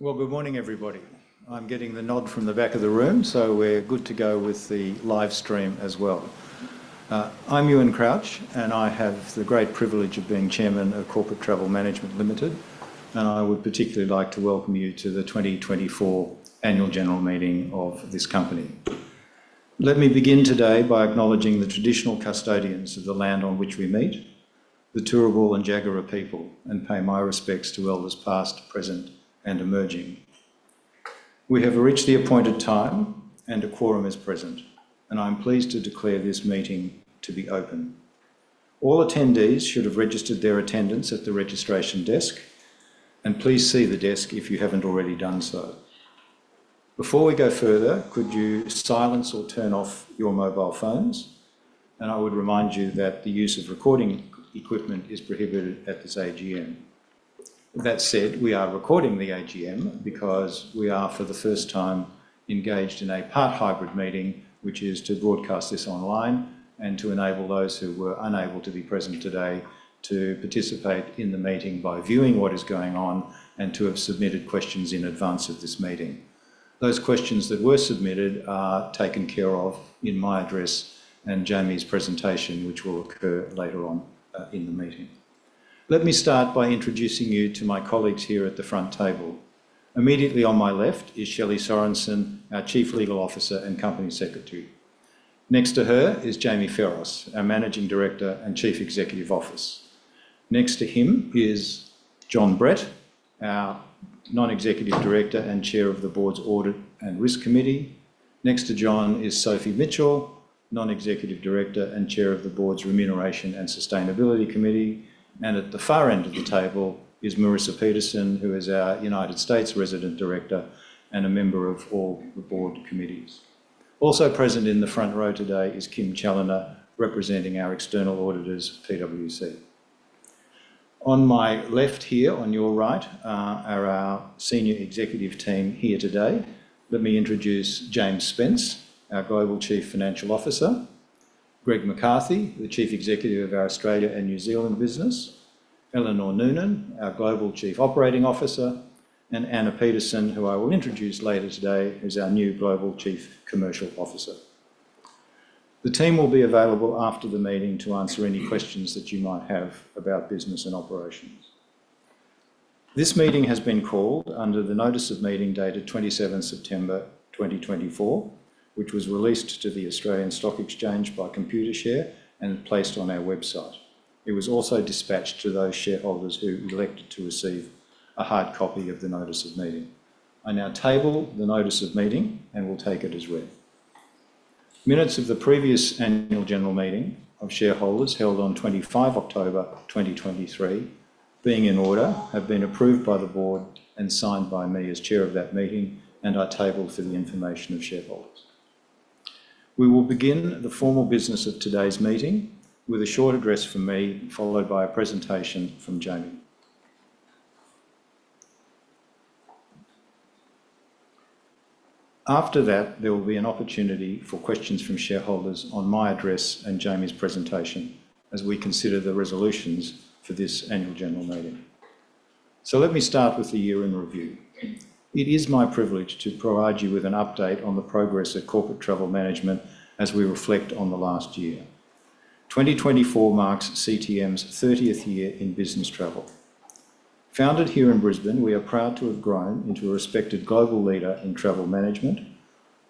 Good morning, everybody. I'm getting the nod from the back of the room, so we're good to go with the live stream as well. I'm Ewen Crouch, and I have the great privilege of being chairman of Corporate Travel Management Limited, and I would particularly like to welcome you to the 2024 annual general meeting of this company. Let me begin today by acknowledging the traditional custodians of the land on which we meet, the Turrbal and Jagera people, and pay my respects to elders past, present, and emerging. We have reached the appointed time, and a quorum is present, and I'm pleased to declare this meeting to be open. All attendees should have registered their attendance at the registration desk, and please see the desk if you haven't already done so. Before we go further, could you silence or turn off your mobile phones? I would remind you that the use of recording equipment is prohibited at this AGM. That said, we are recording the AGM because we are, for the first time, engaged in a part-hybrid meeting, which is to broadcast this online and to enable those who were unable to be present today to participate in the meeting by viewing what is going on and to have submitted questions in advance of this meeting. Those questions that were submitted are taken care of in my address and Jamie's presentation, which will occur later on in the meeting. Let me start by introducing you to my colleagues here at the front table. Immediately on my left is Shelley Sorrenson, our Chief Legal Officer and Company Secretary. Next to her is Jamie Pherous, our Managing Director and Chief Executive Officer. Next to him is Jon Brett, our Non-Executive Director and Chair of the Board's Audit and Risk Committee. Next to Jon is Sophie Mitchell, Non-Executive Director and Chair of the Board's Remuneration and Sustainability Committee. And at the far end of the table is Marissa Peterson, who is our United States Resident Director and a member of all the board committees. Also present in the front row today is Kim Challenor, representing our external auditors, PwC. On my left here, on your right, are our senior executive team here today. Let me introduce James Spence, our Global Chief Financial Officer, Greg McCarthy, the Chief Executive of our Australia and New Zealand business, Eleanor Noonan, our Global Chief Operating Officer, and Ana Pedersen, who I will introduce later today, is our new Global Chief Commercial Officer. The team will be available after the meeting to answer any questions that you might have about business and operations. This meeting has been called under the Notice of Meeting dated 27 September 2024, which was released to the Australian Securities Exchange by Computershare and placed on our website. It was also dispatched to those shareholders who elected to receive a hard copy of the Notice of Meeting. I now table the Notice of Meeting and will take it as read. Minutes of the previous annual general meeting of shareholders held on 25 October 2023, being in order, have been approved by the board and signed by me as chair of that meeting and are tabled for the information of shareholders. We will begin the formal business of today's meeting with a short address from me, followed by a presentation from Jamie. After that, there will be an opportunity for questions from shareholders on my address and Jamie's presentation as we consider the resolutions for this annual general meeting. So let me start with the year in review. It is my privilege to provide you with an update on the progress of Corporate Travel Management as we reflect on the last year. 2024 marks CTM's 30th year in business travel. Founded here in Brisbane, we are proud to have grown into a respected global leader in travel management,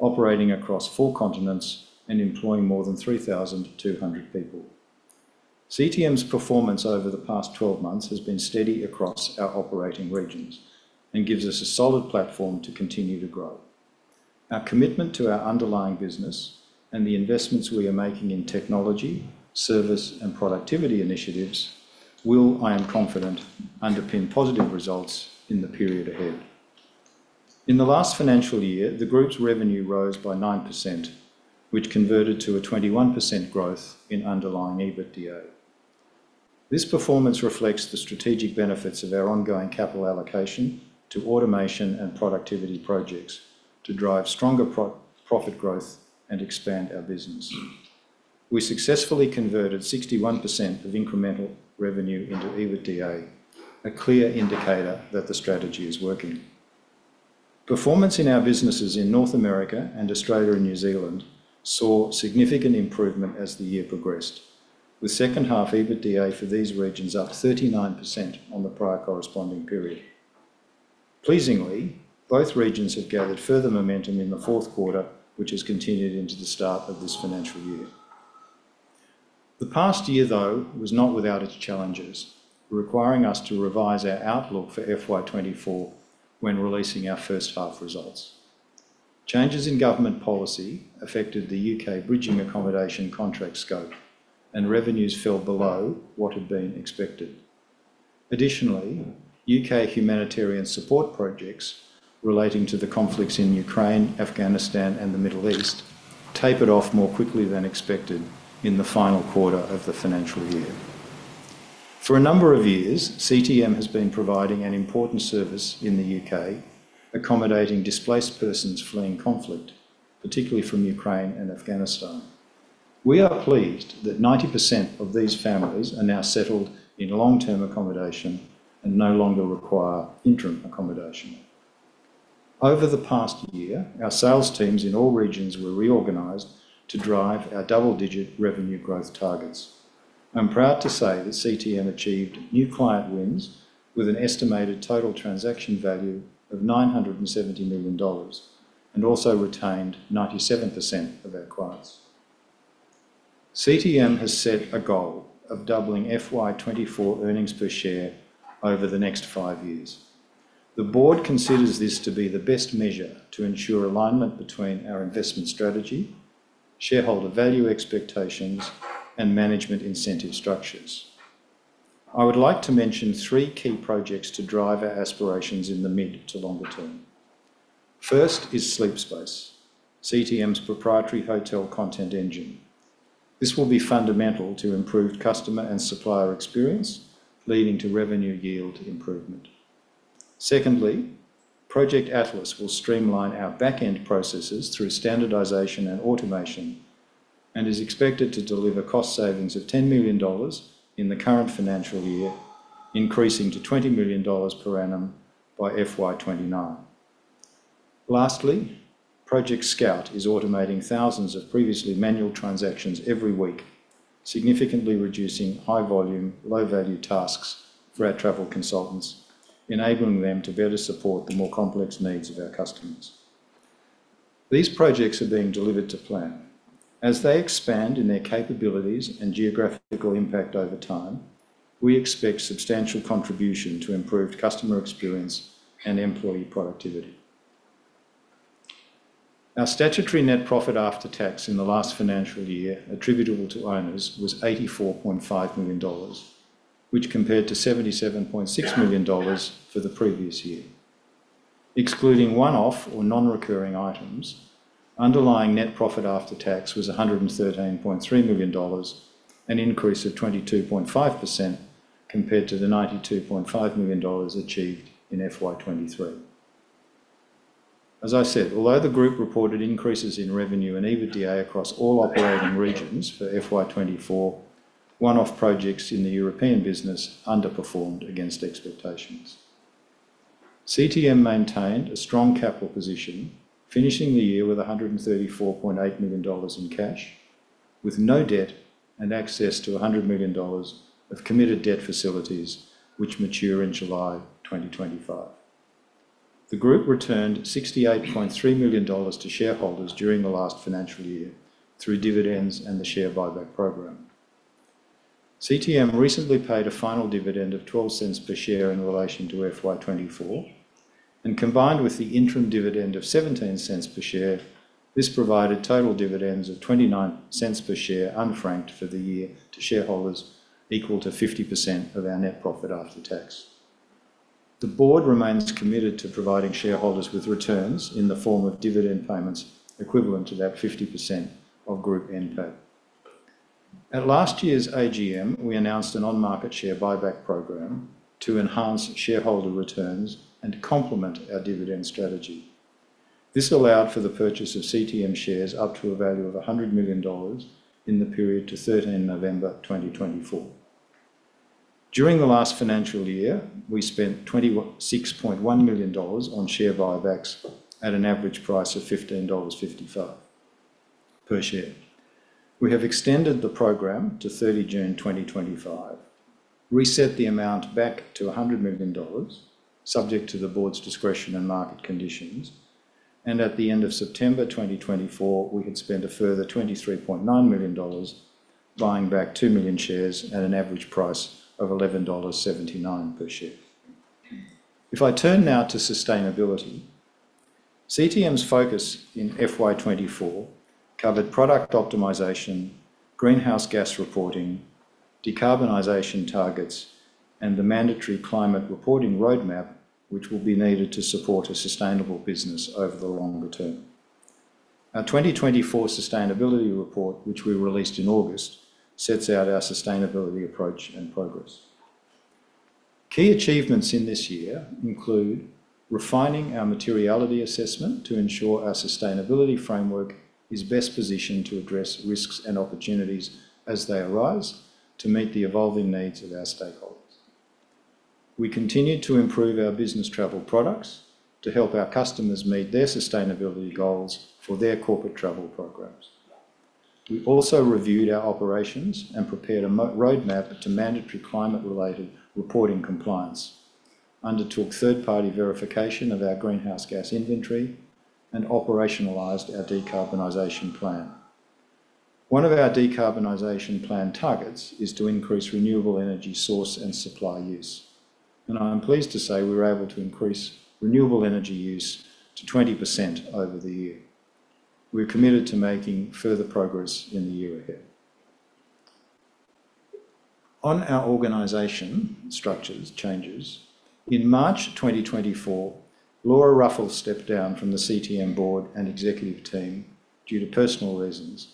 operating across four continents and employing more than 3,200 people. CTM's performance over the past 12 months has been steady across our operating regions and gives us a solid platform to continue to grow. Our commitment to our underlying business and the investments we are making in technology, service, and productivity initiatives will, I am confident, underpin positive results in the period ahead. In the last financial year, the group's revenue rose by 9%, which converted to a 21% growth in underlying EBITDA. This performance reflects the strategic benefits of our ongoing capital allocation to automation and productivity projects to drive stronger profit growth and expand our business. We successfully converted 61% of incremental revenue into EBITDA, a clear indicator that the strategy is working. Performance in our businesses in North America and Australia and New Zealand saw significant improvement as the year progressed, with second-half EBITDA for these regions up 39% on the prior corresponding period. Pleasingly, both regions have gathered further momentum in the Q4, which has continued into the start of this financial year. The past year, though, was not without its challenges, requiring us to revise our outlook for FY24 when releasing our first half results. Changes in government policy affected the UK bridging accommodation contract scope, and revenues fell below what had been expected. Additionally, UK humanitarian support projects relating to the conflicts in Ukraine, Afghanistan, and the Middle East tapered off more quickly than expected in the final quarter of the financial year. For a number of years, CTM has been providing an important service in the UK, accommodating displaced persons fleeing conflict, particularly from Ukraine and Afghanistan. We are pleased that 90% of these families are now settled in long-term accommodation and no longer require interim accommodation. Over the past year, our sales teams in all regions were reorganized to drive our double-digit revenue growth targets. I'm proud to say that CTM achieved new client wins with an estimated total transaction value of 970 million dollars and also retained 97% of our clients. CTM has set a goal of doubling FY24 earnings per share over the next five years. The board considers this to be the best measure to ensure alignment between our investment strategy, shareholder value expectations, and management incentive structures. I would like to mention three key projects to drive our aspirations in the mid- to longer-term. First is Sleep Space, CTM's proprietary hotel content engine. This will be fundamental to improved customer and supplier experience, leading to revenue yield improvement. Secondly, Project Atlas will streamline our back-end processes through standardization and automation and is expected to deliver cost savings of 10 million dollars in the current financial year, increasing to 20 million dollars per annum by FY29. Lastly, Project Scout is automating thousands of previously manual transactions every week, significantly reducing high-volume, low-value tasks for our travel consultants, enabling them to better support the more complex needs of our customers. These projects are being delivered to plan. As they expand in their capabilities and geographical impact over time, we expect substantial contribution to improved customer experience and employee productivity. Our statutory net profit after tax in the last financial year attributable to owners was 84.5 million dollars, which compared to 77.6 million dollars for the previous year. Excluding one-off or non-recurring items, underlying net profit after tax was 113.3 million dollars, an increase of 22.5% compared to the 92.5 million dollars achieved in FY23. As I said, although the group reported increases in revenue and EBITDA across all operating regions for FY24, one-off projects in the European business underperformed against expectations. CTM maintained a strong capital position, finishing the year with 134.8 million dollars in cash, with no debt and access to 100 million dollars of committed debt facilities, which mature in July 2025. The group returned $68.3 million to shareholders during the last financial year through dividends and the share buyback program. CTM recently paid a final dividend of $0.12 per share in relation to FY24, and combined with the interim dividend of $0.17 per share, this provided total dividends of $0.29 per share unfranked for the year to shareholders, equal to 50% of our net profit after tax. The board remains committed to providing shareholders with returns in the form of dividend payments equivalent to that 50% of group NPAT. At last year's AGM, we announced an on-market share buyback program to enhance shareholder returns and complement our dividend strategy. This allowed for the purchase of CTM shares up to a value of $100 million in the period to 13 November 2024. During the last financial year, we spent 26.1 million dollars on share buybacks at an average price of 15.55 dollars per share. We have extended the program to 30 June 2025, reset the amount back to 100 million dollars, subject to the board's discretion and market conditions, and at the end of September 2024, we had spent a further 23.9 million dollars buying back 2 million shares at an average price of 11.79 dollars per share. If I turn now to sustainability, CTM's focus in FY24 covered product optimization, greenhouse gas reporting, decarbonization targets, and the mandatory climate reporting roadmap, which will be needed to support a sustainable business over the longer term. Our 2024 sustainability report, which we released in August, sets out our sustainability approach and progress. Key achievements in this year include refining our materiality assessment to ensure our sustainability framework is best positioned to address risks and opportunities as they arise to meet the evolving needs of our stakeholders. We continue to improve our business travel products to help our customers meet their sustainability goals for their corporate travel programs. We also reviewed our operations and prepared a roadmap to mandatory climate-related reporting compliance, undertook third-party verification of our greenhouse gas inventory, and operationalized our decarbonization plan. One of our decarbonization plan targets is to increase renewable energy source and supply use, and I am pleased to say we were able to increase renewable energy use to 20% over the year. We are committed to making further progress in the year ahead. On our organization structure changes, in March 2024, Laura Ruffles stepped down from the CTM board and executive team due to personal reasons,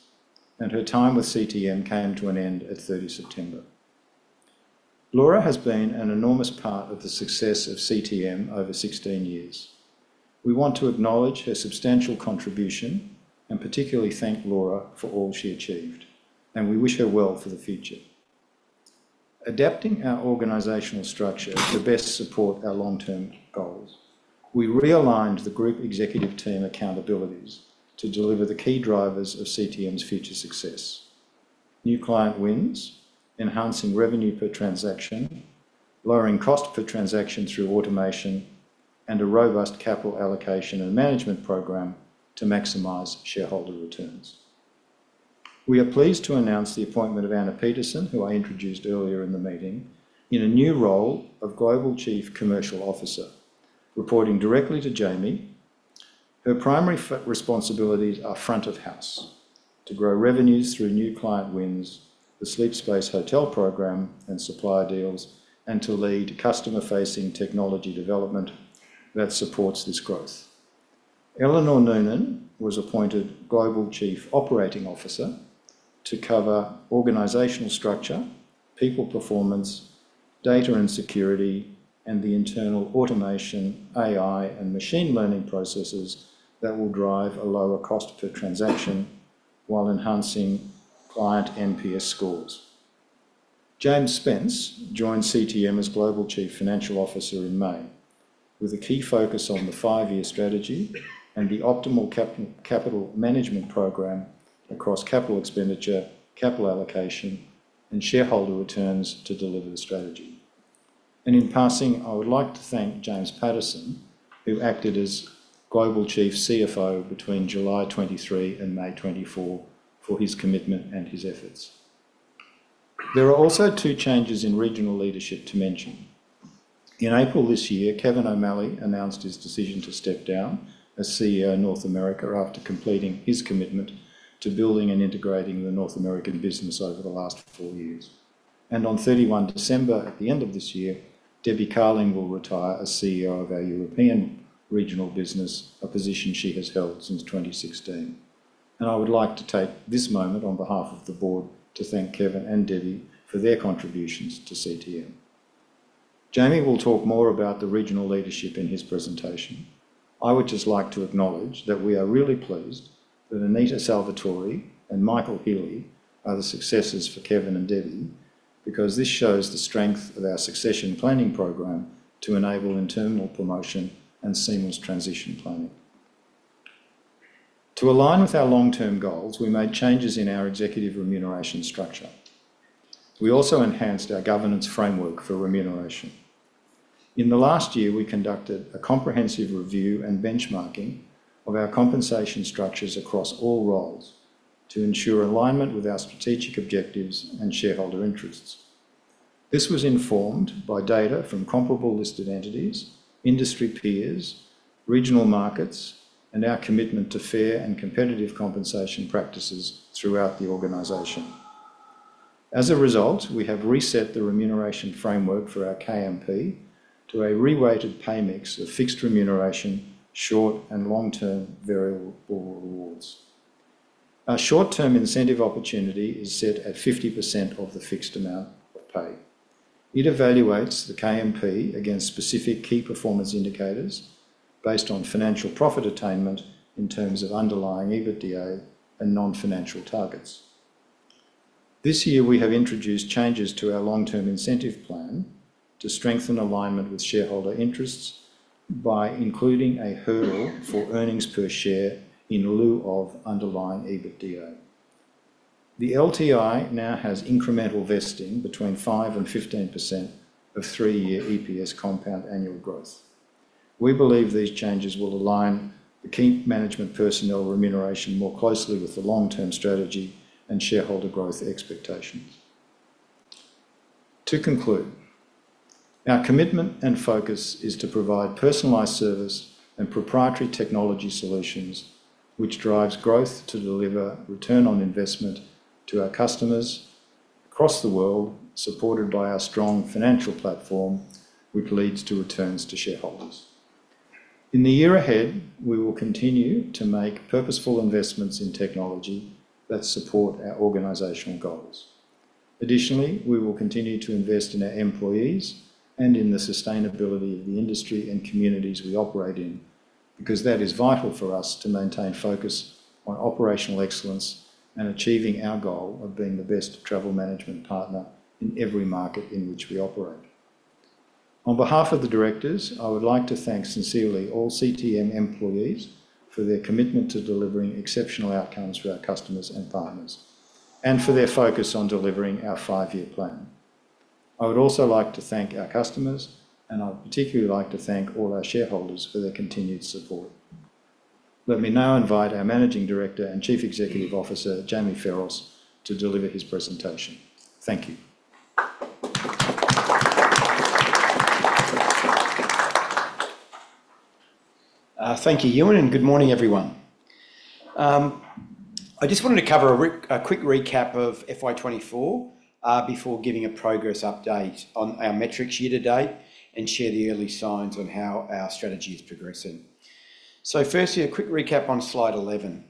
and her time with CTM came to an end at 30 September. Laura has been an enormous part of the success of CTM over 16 years. We want to acknowledge her substantial contribution and particularly thank Laura for all she achieved, and we wish her well for the future. Adapting our organizational structure to best support our long-term goals, we realigned the group executive team accountabilities to deliver the key drivers of CTM's future success: new client wins, enhancing revenue per transaction, lowering cost per transaction through automation, and a robust capital allocation and management program to maximize shareholder returns. We are pleased to announce the appointment of Ana Pedersen, who I introduced earlier in the meeting, in a new role of Global Chief Commercial Officer, reporting directly to Jamie. Her primary responsibilities are front of house to grow revenues through new client wins, the Sleep Space hotel program and supplier deals, and to lead customer-facing technology development that supports this growth. Eleanor Noonan was appointed Global Chief Operating Officer to cover organizational structure, people performance, data and security, and the internal automation, AI, and machine learning processes that will drive a lower cost per transaction while enhancing client NPS scores. James Spence joined CTM as Global Chief Financial Officer in May, with a key focus on the five-year strategy and the optimal capital management program across capital expenditure, capital allocation, and shareholder returns to deliver the strategy. In passing, I would like to thank James Patterson, who acted as Global CFO between July 2023 and May 2024 for his commitment and his efforts. There are also two changes in regional leadership to mention. In April this year, Kevin O'Malley announced his decision to step down as CEO of North America after completing his commitment to building and integrating the North American business over the last four years. And on 31 December, at the end of this year, Debbie Carling will retire as CEO of our European regional business, a position she has held since 2016. And I would like to take this moment on behalf of the board to thank Kevin and Debbie for their contributions to CTM. Jamie will talk more about the regional leadership in his presentation. I would just like to acknowledge that we are really pleased that Anita Salvatore and Michael Healy are the successors for Kevin and Debbie because this shows the strength of our succession planning program to enable internal promotion and seamless transition planning. To align with our long-term goals, we made changes in our executive remuneration structure. We also enhanced our governance framework for remuneration. In the last year, we conducted a comprehensive review and benchmarking of our compensation structures across all roles to ensure alignment with our strategic objectives and shareholder interests. This was informed by data from comparable listed entities, industry peers, regional markets, and our commitment to fair and competitive compensation practices throughout the organization. As a result, we have reset the remuneration framework for our KMP to a reweighted pay mix of fixed remuneration, short and long-term variable rewards. Our short-term incentive opportunity is set at 50% of the fixed amount of pay. It evaluates the KMP against specific key performance indicators based on financial profit attainment in terms of underlying EBITDA and non-financial targets. This year, we have introduced changes to our long-term incentive plan to strengthen alignment with shareholder interests by including a hurdle for earnings per share in lieu of underlying EBITDA. The LTI now has incremental vesting between 5% and 15% of three-year EPS compound annual growth. We believe these changes will align the key management personnel remuneration more closely with the long-term strategy and shareholder growth expectations. To conclude, our commitment and focus is to provide personalized service and proprietary technology solutions, which drives growth to deliver return on investment to our customers across the world, supported by our strong financial platform, which leads to returns to shareholders. In the year ahead, we will continue to make purposeful investments in technology that support our organizational goals. Additionally, we will continue to invest in our employees and in the sustainability of the industry and communities we operate in because that is vital for us to maintain focus on operational excellence and achieving our goal of being the best travel management partner in every market in which we operate. On behalf of the directors, I would like to thank sincerely all CTM employees for their commitment to delivering exceptional outcomes for our customers and partners, and for their focus on delivering our five-year plan. I would also like to thank our customers, and I would particularly like to thank all our shareholders for their continued support. Let me now invite our Managing Director and Chief Executive Officer, Jamie Pherous, to deliver his presentation. Thank you. Thank you, Ewen, and good morning, everyone. I just wanted to cover a quick recap of FY24 before giving a progress update on our metrics year to date and share the early signs on how our strategy is progressing. So firstly, a quick recap on Slide 11.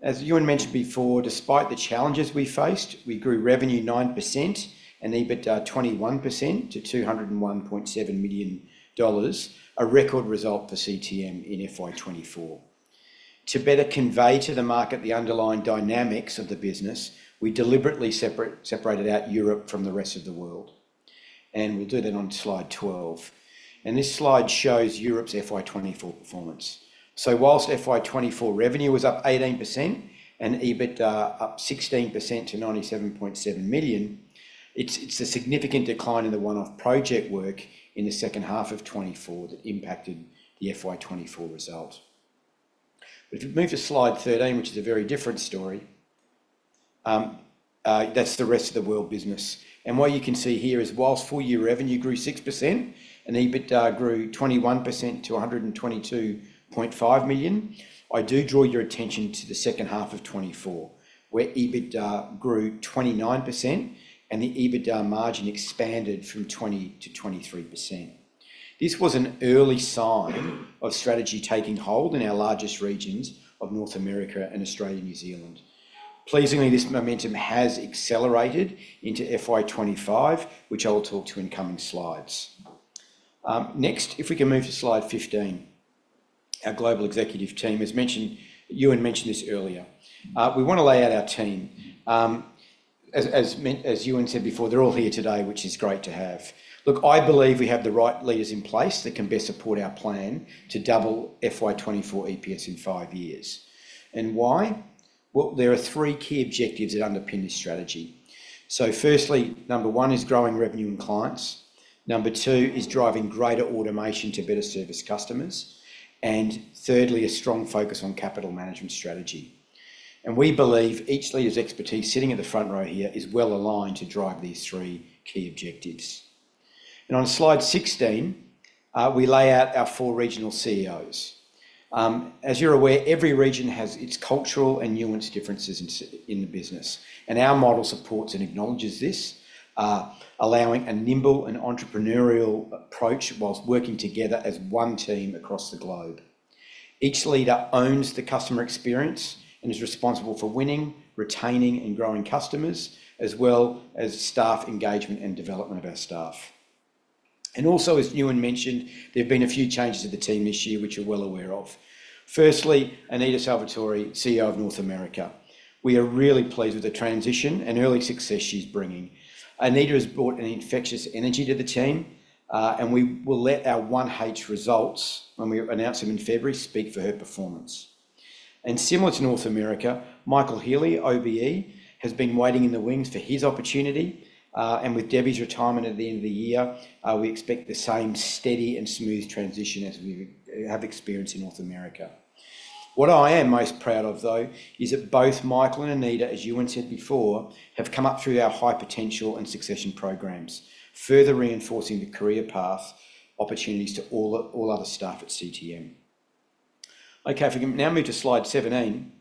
As Ewen mentioned before, despite the challenges we faced, we grew revenue 9% and EBITDA 21% to 201.7 million dollars, a record result for CTM in FY24. To better convey to the market the underlying dynamics of the business, we deliberately separated out Europe from the rest of the world, and we'll do that on Slide 12. And this slide shows Europe's FY24 performance. So while FY24 revenue was up 18% and EBITDA up 16% to 97.7 million, it's a significant decline in the one-off project work in the second half of 2024 that impacted the FY24 result. But if you move to Slide 13, which is a very different story, that's the rest of the world business. And what you can see here is while full-year revenue grew 6% and EBITDA grew 21% to 122.5 million, I do draw your attention to the second half of 2024, where EBITDA grew 29% and the EBITDA margin expanded from 20% to 23%. This was an early sign of strategy taking hold in our largest regions of North America and Australia and New Zealand. Pleasingly, this momentum has accelerated into FY25, which I will talk to in coming slides. Next, if we can move to Slide 15, our global executive team, as mentioned, Ewen mentioned this earlier. We want to lay out our team. As Ewen said before, they're all here today, which is great to have. Look, I believe we have the right leaders in place that can best support our plan to double FY24 EPS in five years. And why? There are three key objectives that underpin this strategy. So firstly, number one is growing revenue and clients. Number two is driving greater automation to better service customers. And thirdly, a strong focus on capital management strategy. And we believe each leader's expertise sitting at the front row here is well aligned to drive these three key objectives. And on Slide 16, we lay out our four regional CEOs. As you're aware, every region has its cultural and nuanced differences in the business, and our model supports and acknowledges this, allowing a nimble and entrepreneurial approach whilst working together as one team across the globe. Each leader owns the customer experience and is responsible for winning, retaining, and growing customers, as well as staff engagement and development of our staff. And also, as Ewen mentioned, there have been a few changes to the team this year, which you're well aware of. Firstly, Anita Salvatore, CEO of North America. We are really pleased with the transition and early success she's bringing. Anita has brought an infectious energy to the team, and we will let our 1H results, when we announce them in February, speak for her performance. And similar to North America, Michael Healy, OBE, has been waiting in the wings for his opportunity. And with Debbie's retirement at the end of the year, we expect the same steady and smooth transition as we have experienced in North America. What I am most proud of, though, is that both Michael and Anita, as Ewen said before, have come up through our high potential and succession programs, further reinforcing the career path opportunities to all other staff at CTM. Okay, if we can now move to Slide 17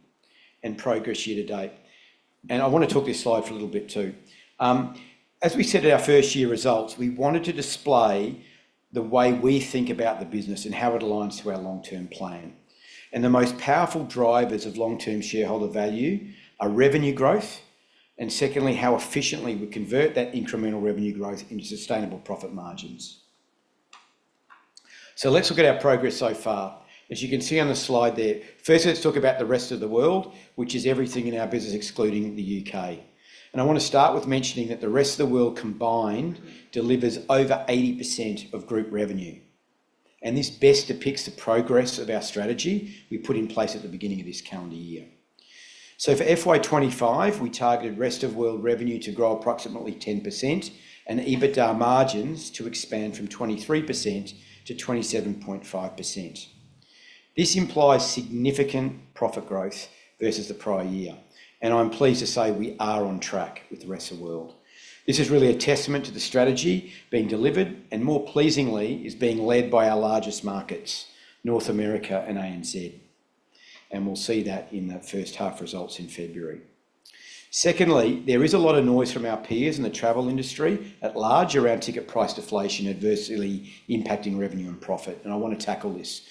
and progress year to date, and I want to talk this slide for a little bit too. As we said in our first-year results, we wanted to display the way we think about the business and how it aligns to our long-term plan, and the most powerful drivers of long-term shareholder value are revenue growth and, secondly, how efficiently we convert that incremental revenue growth into sustainable profit margins, so let's look at our progress so far. As you can see on the slide there, first, let's talk about the rest of the world, which is everything in our business excluding the UK. And I want to start with mentioning that the rest of the world combined delivers over 80% of group revenue. And this best depicts the progress of our strategy we put in place at the beginning of this calendar year. So for FY25, we targeted rest of world revenue to grow approximately 10% and EBITDA margins to expand from 23% to 27.5%. This implies significant profit growth versus the prior year. And I'm pleased to say we are on track with the rest of the world. This is really a testament to the strategy being delivered and, more pleasingly, is being led by our largest markets, North America and ANZ. And we'll see that in the first half results in February. Secondly, there is a lot of noise from our peers in the travel industry at large around ticket price deflation adversely impacting revenue and profit. And I want to tackle this.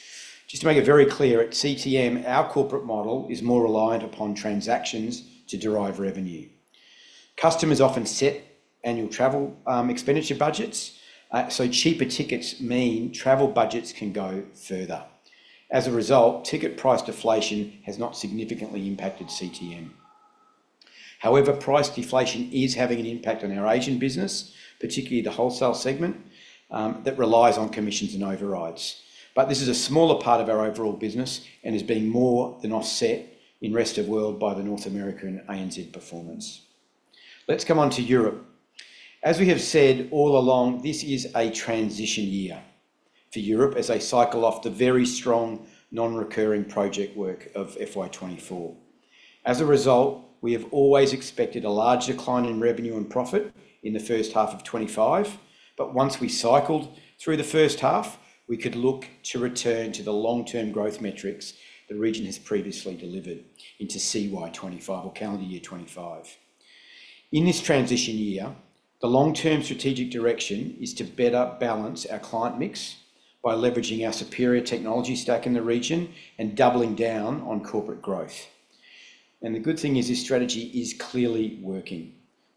Just to make it very clear, at CTM, our corporate model is more reliant upon transactions to derive revenue. Customers often set annual travel expenditure budgets, so cheaper tickets mean travel budgets can go further. As a result, ticket price deflation has not significantly impacted CTM. However, price deflation is having an impact on our Asian business, particularly the wholesale segment that relies on commissions and overrides. But this is a smaller part of our overall business and is being more than offset in rest of world by the North America and ANZ performance. Let's come on to Europe. As we have said all along, this is a transition year for Europe as they cycle off the very strong non-recurring project work of FY24. As a result, we have always expected a large decline in revenue and profit in the first half of 2025, but once we cycled through the first half, we could look to return to the long-term growth metrics the region has previously delivered into CY 2025 or calendar year 2025. In this transition year, the long-term strategic direction is to better balance our client mix by leveraging our superior technology stack in the region and doubling down on corporate growth, and the good thing is this strategy is clearly working.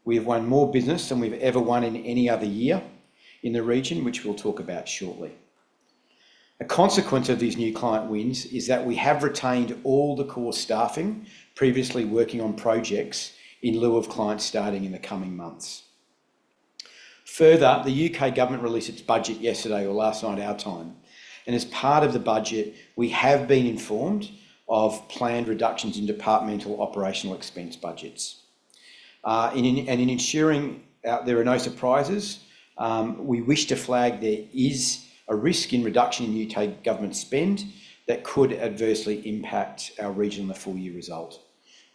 We have won more business than we've ever won in any other year in the region, which we'll talk about shortly. A consequence of these new client wins is that we have retained all the core staffing previously working on projects in lieu of clients starting in the coming months. Further, the U.K. government released its budget yesterday or last night our time. And as part of the budget, we have been informed of planned reductions in departmental operational expense budgets. And in ensuring there are no surprises, we wish to flag there is a risk in reduction in U.K. government spend that could adversely impact our region in the full-year result.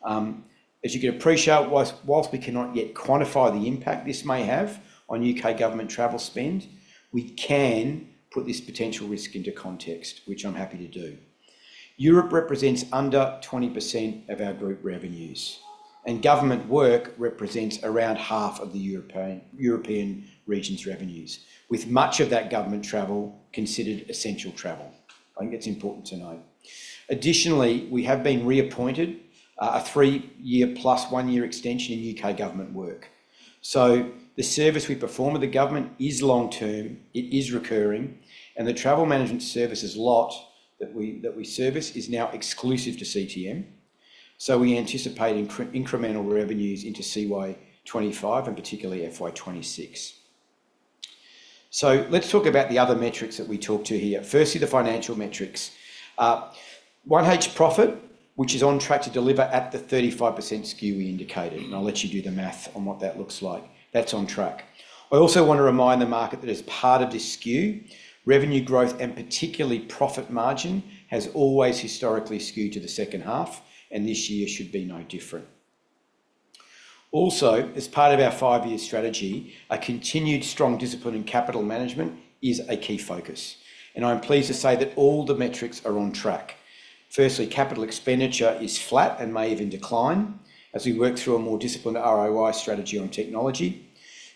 As you can appreciate, whilst we cannot yet quantify the impact this may have on U.K. government travel spend, we can put this potential risk into context, which I'm happy to do. Europe represents under 20% of our group revenues, and government work represents around half of the European region's revenues, with much of that government travel considered essential travel. It's important to know. Additionally, we have been reappointed a three-year plus one-year extension in UK government work. So the service we perform at the government is long-term. It is recurring. And the travel management services lot that we service is now exclusive to CTM. So we anticipate incremental revenues into CY 2025 and particularly FY 2026. So let's talk about the other metrics that we talk to here. Firstly, the financial metrics. 1H profit, which is on track to deliver at the 35% SKU we indicated. And I'll let you do the math on what that looks like. That's on track. I also want to remind the market that as part of this SKU, revenue growth and particularly profit margin has always historically skewed to the second half, and this year should be no different. Also, as part of our five-year strategy, a continued strong discipline in capital management is a key focus, and I'm pleased to say that all the metrics are on track. Firstly, capital expenditure is flat and may even decline as we work through a more disciplined ROI strategy on technology.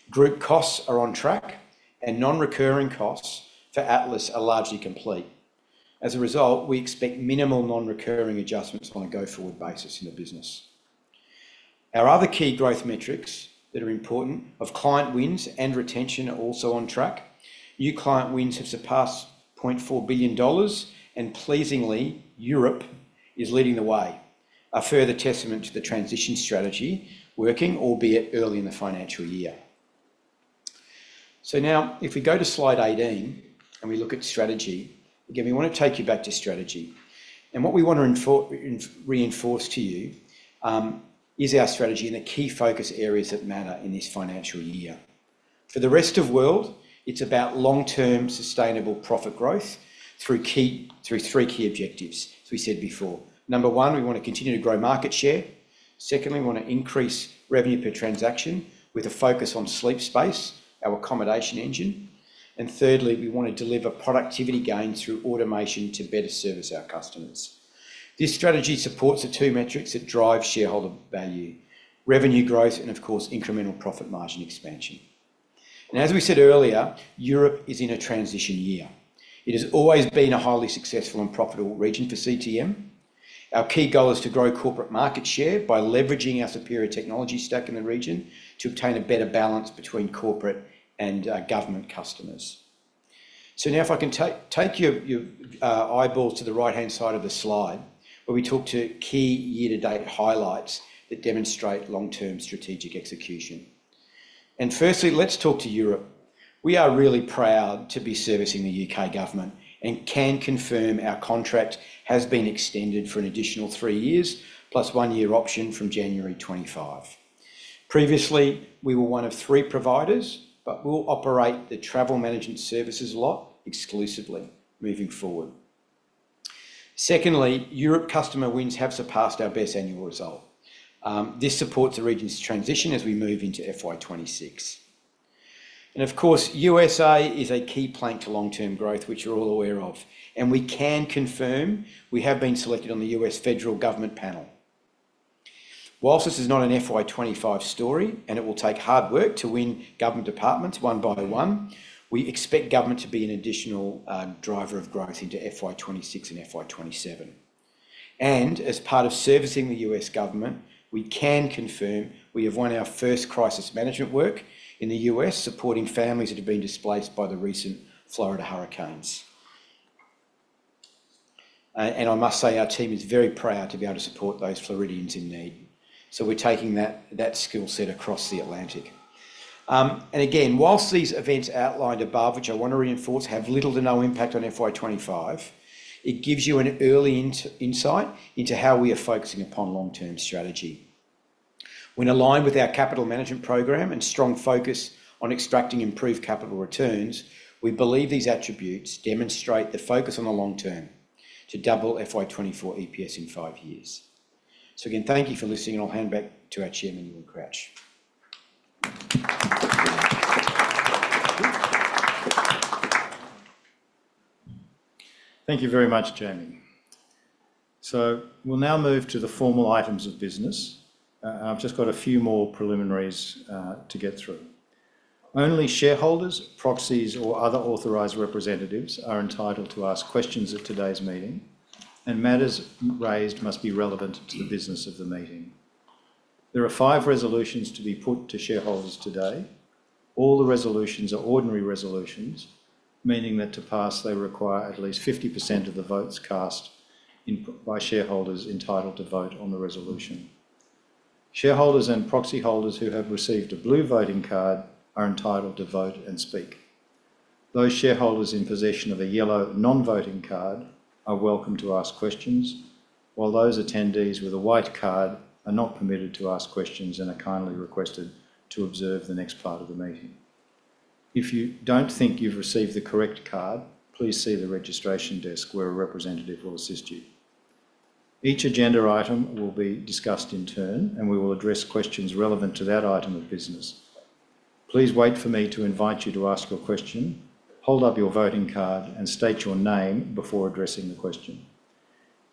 Group costs are on track, and non-recurring costs for Atlas are largely complete. As a result, we expect minimal non-recurring adjustments on a go-forward basis in the business. Our other key growth metrics that are important of client wins and retention are also on track. New client wins have surpassed 0.4 billion dollars, and pleasingly, Europe is leading the way, a further testament to the transition strategy working, albeit early in the financial year. Now, if we go to Slide 18 and we look at strategy, again, we want to take you back to strategy. What we want to reinforce to you is our strategy and the key focus areas that matter in this financial year. For the rest of world, it's about long-term sustainable profit growth through three key objectives, as we said before. Number one, we want to continue to grow market share. Secondly, we want to increase revenue per transaction with a focus on Sleep Space, our accommodation engine. Thirdly, we want to deliver productivity gains through automation to better service our customers. This strategy supports the two metrics that drive shareholder value: revenue growth and, of course, incremental profit margin expansion. And as we said earlier, Europe is in a transition year. It has always been a highly successful and profitable region for CTM. Our key goal is to grow corporate market share by leveraging our superior technology stack in the region to obtain a better balance between corporate and government customers. So now, if I can take your eyeballs to the right-hand side of the slide where we talk to key year-to-date highlights that demonstrate long-term strategic execution. And firstly, let's talk to Europe. We are really proud to be servicing the UK government and can confirm our contract has been extended for an additional three years plus one-year option from January 2025. Previously, we were one of three providers, but we'll operate the travel management services lot exclusively moving forward. Secondly, Europe customer wins have surpassed our best annual result. This supports the region's transition as we move into FY26. And of course, USA is a key plank to long-term growth, which you're all aware of. And we can confirm we have been selected on the U.S. federal government panel. Whilst this is not an FY25 story, and it will take hard work to win government departments one by one, we expect government to be an additional driver of growth into FY26 and FY27. And as part of servicing the U.S. government, we can confirm we have won our first crisis management work in the U.S. supporting families that have been displaced by the recent Florida hurricanes. And I must say our team is very proud to be able to support those Floridians in need. So we're taking that skill set across the Atlantic. Again, while these events outlined above, which I want to reinforce, have little to no impact on FY25, it gives you an early insight into how we are focusing upon long-term strategy. When aligned with our capital management program and strong focus on extracting improved capital returns, we believe these attributes demonstrate the focus on the long term to double FY24 EPS in five years. Again, thank you for listening, and I'll hand back to our chairman, Ewen Crouch. Thank you very much, Jamie. So we'll now move to the formal items of business. I've just got a few more preliminaries to get through. Only shareholders, proxies, or other authorized representatives are entitled to ask questions at today's meeting, and matters raised must be relevant to the business of the meeting. There are five resolutions to be put to shareholders today. All the resolutions are ordinary resolutions, meaning that to pass, they require at least 50% of the votes cast by shareholders entitled to vote on the resolution. Shareholders and proxy holders who have received a blue voting card are entitled to vote and speak. Those shareholders in possession of a yellow non-voting card are welcome to ask questions, while those attendees with a white card are not permitted to ask questions and are kindly requested to observe the next part of the meeting. If you don't think you've received the correct card, please see the registration desk where a representative will assist you. Each agenda item will be discussed in turn, and we will address questions relevant to that item of business. Please wait for me to invite you to ask your question, hold up your voting card, and state your name before addressing the question.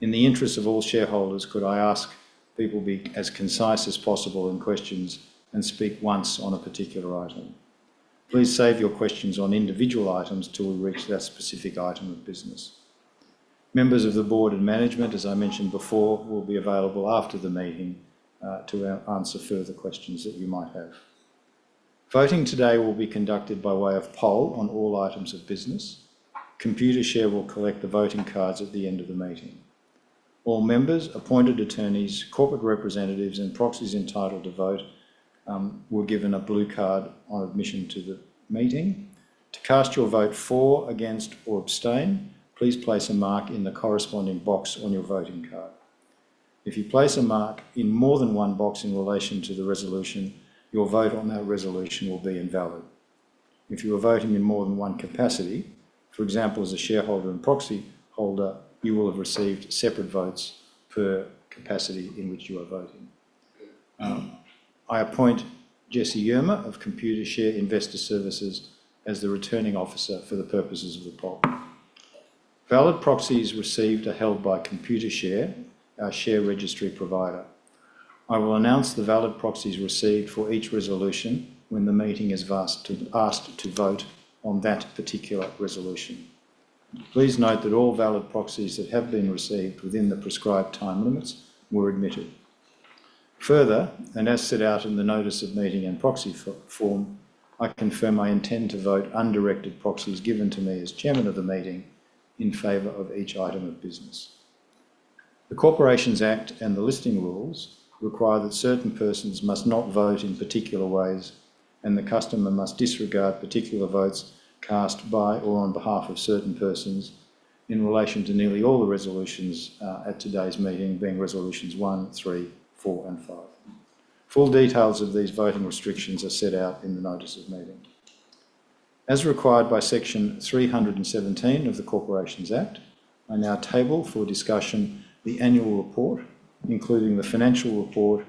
In the interest of all shareholders, could I ask people be as concise as possible in questions and speak once on a particular item? Please save your questions on individual items till we reach that specific item of business. Members of the board and management, as I mentioned before, will be available after the meeting to answer further questions that you might have. Voting today will be conducted by way of poll on all items of business. Computershare will collect the voting cards at the end of the meeting. All members, appointed attorneys, corporate representatives, and proxies entitled to vote will be given a blue card on admission to the meeting. To cast your vote for, against, or abstain, please place a mark in the corresponding box on your voting card. If you place a mark in more than one box in relation to the resolution, your vote on that resolution will be invalid. If you are voting in more than one capacity, for example, as a shareholder and proxy holder, you will have received separate votes per capacity in which you are voting. I appoint Jesse Ymer of Computershare Investor Services as the returning officer for the purposes of the poll. Valid proxies received are held by Computershare, our share registry provider. I will announce the valid proxies received for each resolution when the meeting is asked to vote on that particular resolution. Please note that all valid proxies that have been received within the prescribed time limits were admitted. Further, and as set out in the notice of meeting and proxy form, I confirm I intend to vote undirected proxies given to me as chairman of the meeting in favor of each item of business. The Corporations Act and the Listing Rules require that certain persons must not vote in particular ways, and the chairman must disregard particular votes cast by or on behalf of certain persons in relation to nearly all the resolutions at today's meeting, being resolutions one, three, four, and five. Full details of these voting restrictions are set out in the notice of meeting. As required by Section 317 of the Corporations Act, I now table for discussion the annual report, including the financial report,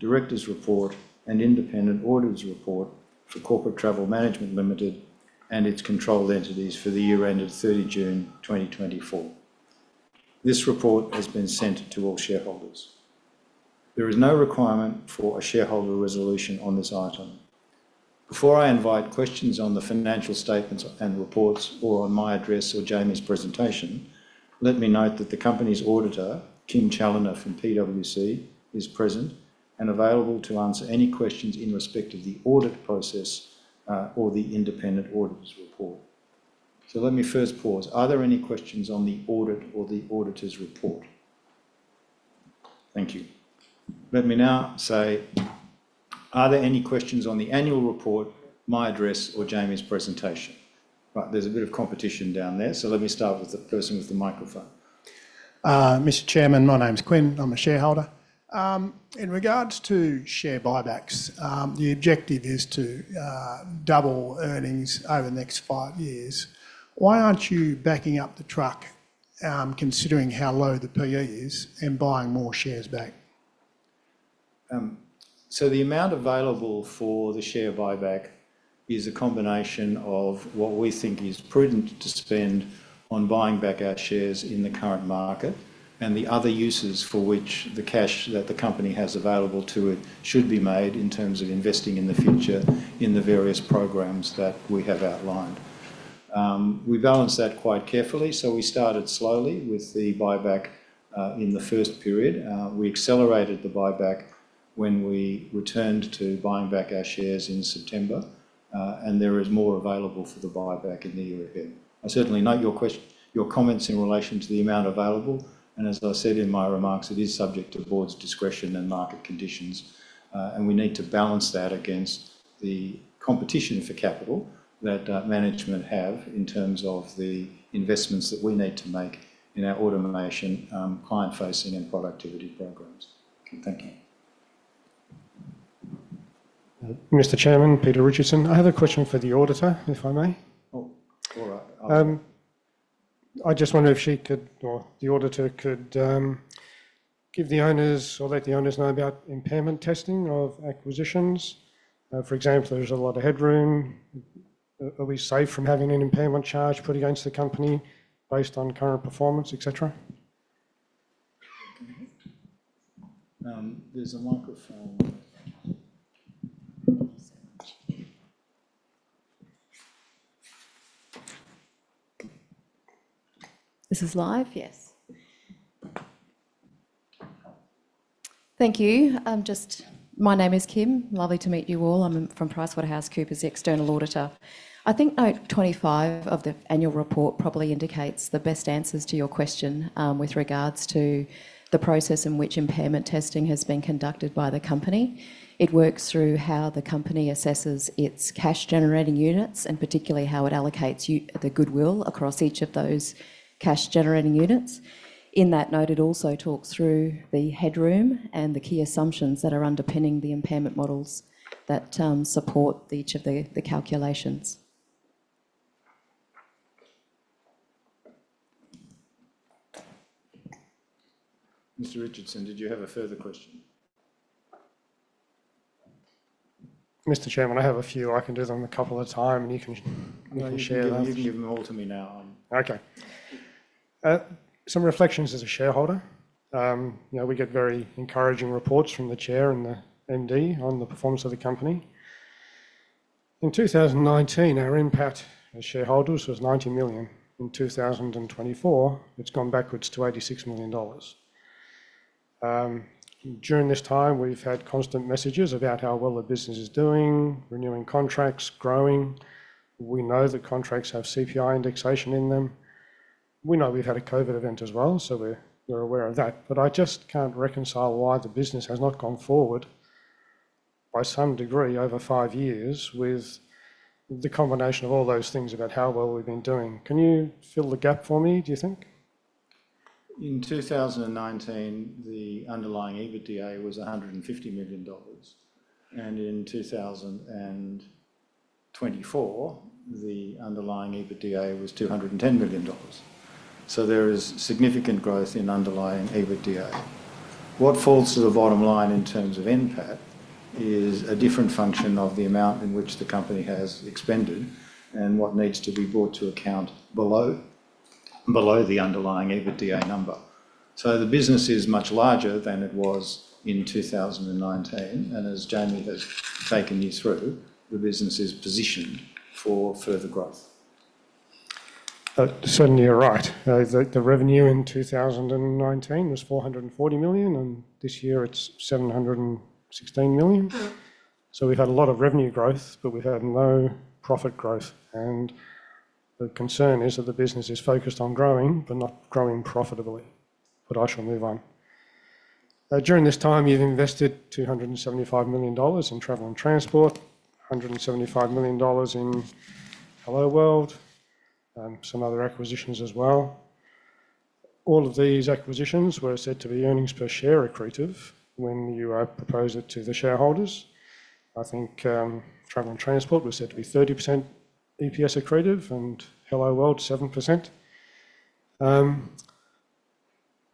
director's report, and independent auditor's report for Corporate Travel Management Limited and its controlled entities for the year ended 30 June 2024. This report has been sent to all shareholders. There is no requirement for a shareholder resolution on this item. Before I invite questions on the financial statements and reports or on my address or Jamie's presentation, let me note that the company's auditor, Kim Challenor from PwC, is present and available to answer any questions in respect of the audit process or the independent auditor's report. So let me first pause. Are there any questions on the audit or the auditor's report? Thank you. Let me now say, are there any questions on the annual report, my address, or Jamie's presentation? Right, there's a bit of competition down there, so let me start with the person with the microphone. Mr. Chairman, my name's Quinn. I'm a shareholder. In regards to share buybacks, the objective is to double earnings over the next five years. Why aren't you backing up the truck considering how low the PE is and buying more shares back? So the amount available for the share buyback is a combination of what we think is prudent to spend on buying back our shares in the current market and the other uses for which the cash that the company has available to it should be made in terms of investing in the future in the various programs that we have outlined. We balance that quite carefully, so we started slowly with the buyback in the first period. We accelerated the buyback when we returned to buying back our shares in September, and there is more available for the buyback in the year ahead. I certainly note your comments in relation to the amount available, and as I said in my remarks, it is subject to board's discretion and market conditions, and we need to balance that against the competition for capital that management have in terms of the investments that we need to make in our automation, client-facing, and productivity programs. Thank you. Mr. Chairman, Peter Richardson, I have a question for the auditor, if I may. All right. I just wonder if she could, or the auditor could, give the owners or let the owners know about impairment testing of acquisitions. For example, there's a lot of headroom. Are we safe from having an impairment charge put against the company based on current performance, etc.? There's a microphone. This is live, yes. Thank you. Just, my name is Kim. Lovely to meet you all. I'm from PricewaterhouseCoopers, external auditor. 25 of the annual report probably indicates the best answers to your question with regards to the process in which impairment testing has been conducted by the company. It works through how the company assesses its cash-generating units and particularly how it allocates the goodwill across each of those cash-generating units. In that note, it also talks through the headroom and the key assumptions that are underpinning the impairment models that support each of the calculations. Mr. Richardson, did you have a further question? Mr. Chairman, I have a few. I can do them a couple at a time, and you can share them. You can give them all to me now. Okay. Some reflections as a shareholder. We get very encouraging reports from the chair and the MD on the performance of the company. In 2019, our impact as shareholders was 90 million. In 2024, it's gone backwards to 86 million dollars. During this time, we've had constant messages about how well the business is doing, renewing contracts, growing. We know that contracts have CPI indexation in them. We know we've had a COVID event as well, so we're aware of that. But I just can't reconcile why the business has not gone forward by some degree over five years with the combination of all those things about how well we've been doing. Can you fill the gap for me, do you think? In 2019, the Underlying EBITDA was 150 million dollars, and in 2024, the Underlying EBITDA was 210 million dollars. So there is significant growth in Underlying EBITDA. What falls to the bottom line in terms of impact is a different function of the amount in which the company has expended and what needs to be brought to account below the Underlying EBITDA number. So the business is much larger than it was in 2019, and as Jamie has taken you through, the business is positioned for further growth. Certainly, you're right. The revenue in 2019 was 440 million, and this year it's 716 million. So we've had a lot of revenue growth, but we've had no profit growth. And the concern is that the business is focused on growing but not growing profitably. But I shall move on. During this time, you've invested 275 million dollars in Travel and Transport, 175 million dollars in Helloworld, and some other acquisitions as well. All of these acquisitions were said to be earnings per share accretive when you propose it to the shareholders. Travel and Transport was said to be 30% EPS accretive and Helloworld 7%.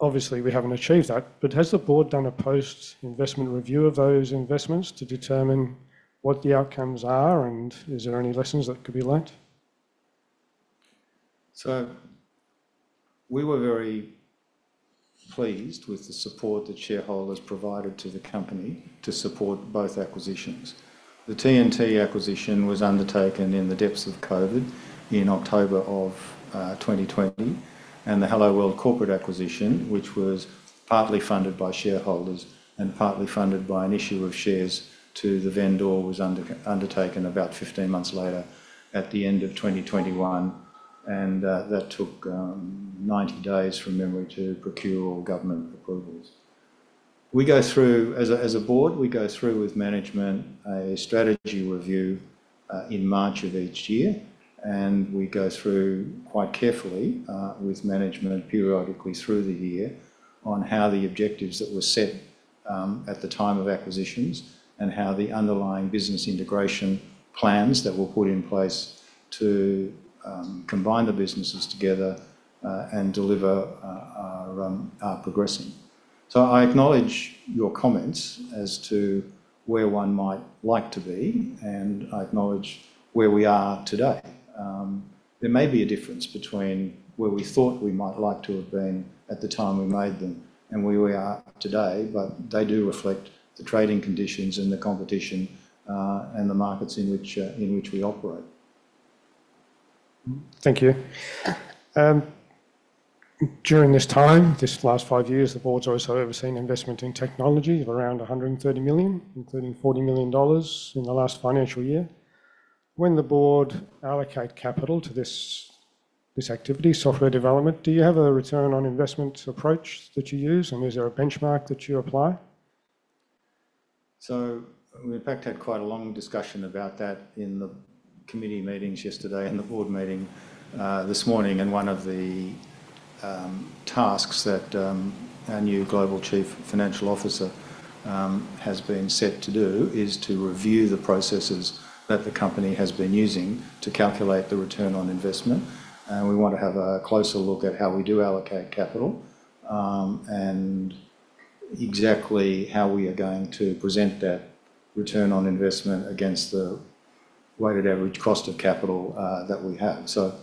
Obviously, we haven't achieved that, but has the board done a post-investment review of those investments to determine what the outcomes are, and is there any lessons that could be learned? So we were very pleased with the support that shareholders provided to the company to support both acquisitions. The T&T acquisition was undertaken in the depths of COVID in October of 2020, and the Helloworld corporate acquisition, which was partly funded by shareholders and partly funded by an issue of shares to the vendor, was undertaken about 15 months later at the end of 2021, and that took 90 days from memory to procure all government approvals. As a board, we go through with management a strategy review in March of each year, and we go through quite carefully with management periodically through the year on how the objectives that were set at the time of acquisitions and how the underlying business integration plans that were put in place to combine the businesses together and deliver are progressing. So I acknowledge your comments as to where one might like to be, and I acknowledge where we are today. There may be a difference between where we thought we might like to have been at the time we made them and where we are today, but they do reflect the trading conditions and the competition and the markets in which we operate. Thank you. During this time, this last five years, the board's also overseen investment in technology of around 130 million, including 40 million dollars in the last financial year. When the board allocates capital to this activity, software development, do you have a return on investment approach that you use, and is there a benchmark that you apply? So we in fact had quite a long discussion about that in the committee meetings yesterday and the board meeting this morning, and one of the tasks that our new Global Chief Financial Officer has been set to do is to review the processes that the company has been using to calculate the return on investment. We want to have a closer look at how we do allocate capital and exactly how we are going to present that return on investment against the weighted average cost of capital that we have. So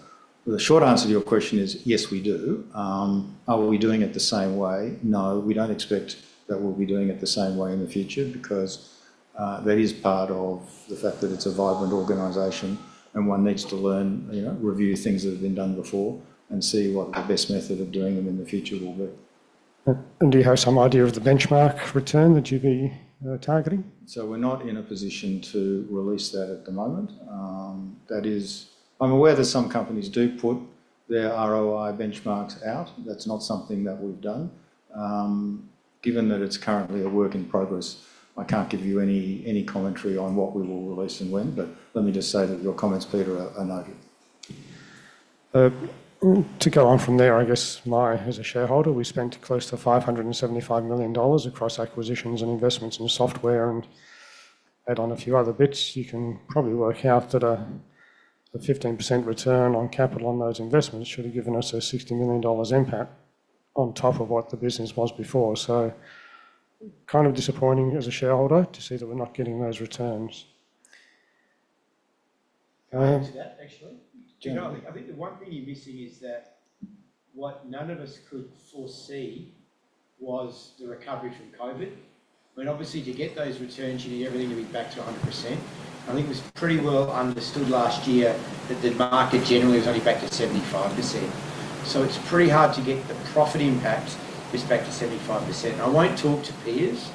the short answer to your question is, yes, we do. Are we doing it the same way? No, we don't expect that we'll be doing it the same way in the future because that is part of the fact that it's a vibrant organization, and one needs to learn, review things that have been done before, and see what the best method of doing them in the future will be. Do you have some idea of the benchmark return that you'd be targeting? We're not in a position to release that at the moment. I'm aware that some companies do put their ROI benchmarks out. That's not something that we've done. Given that it's currently a work in progress, I can't give you any commentary on what we will release and when, but let me just say that your comments, Peter, are noted. To go on from there. Me, as a shareholder, we spent close to 575 million dollars across acquisitions and investments in software, and add on a few other bits. You can probably work out that a 15% return on capital on those investments should have given us a 60 million dollars impact on top of what the business was before. So kind of disappointing as a shareholder to see that we're not getting those returns. To that, actually. The one thing you're missing is that what none of us could foresee was the recovery from COVID. Obviously, to get those returns, you need everything to be back to 100%. It was pretty well understood last year that the market generally was only back to 75%. So it's pretty hard to get the profit impact just back to 75%. I won't talk to peers.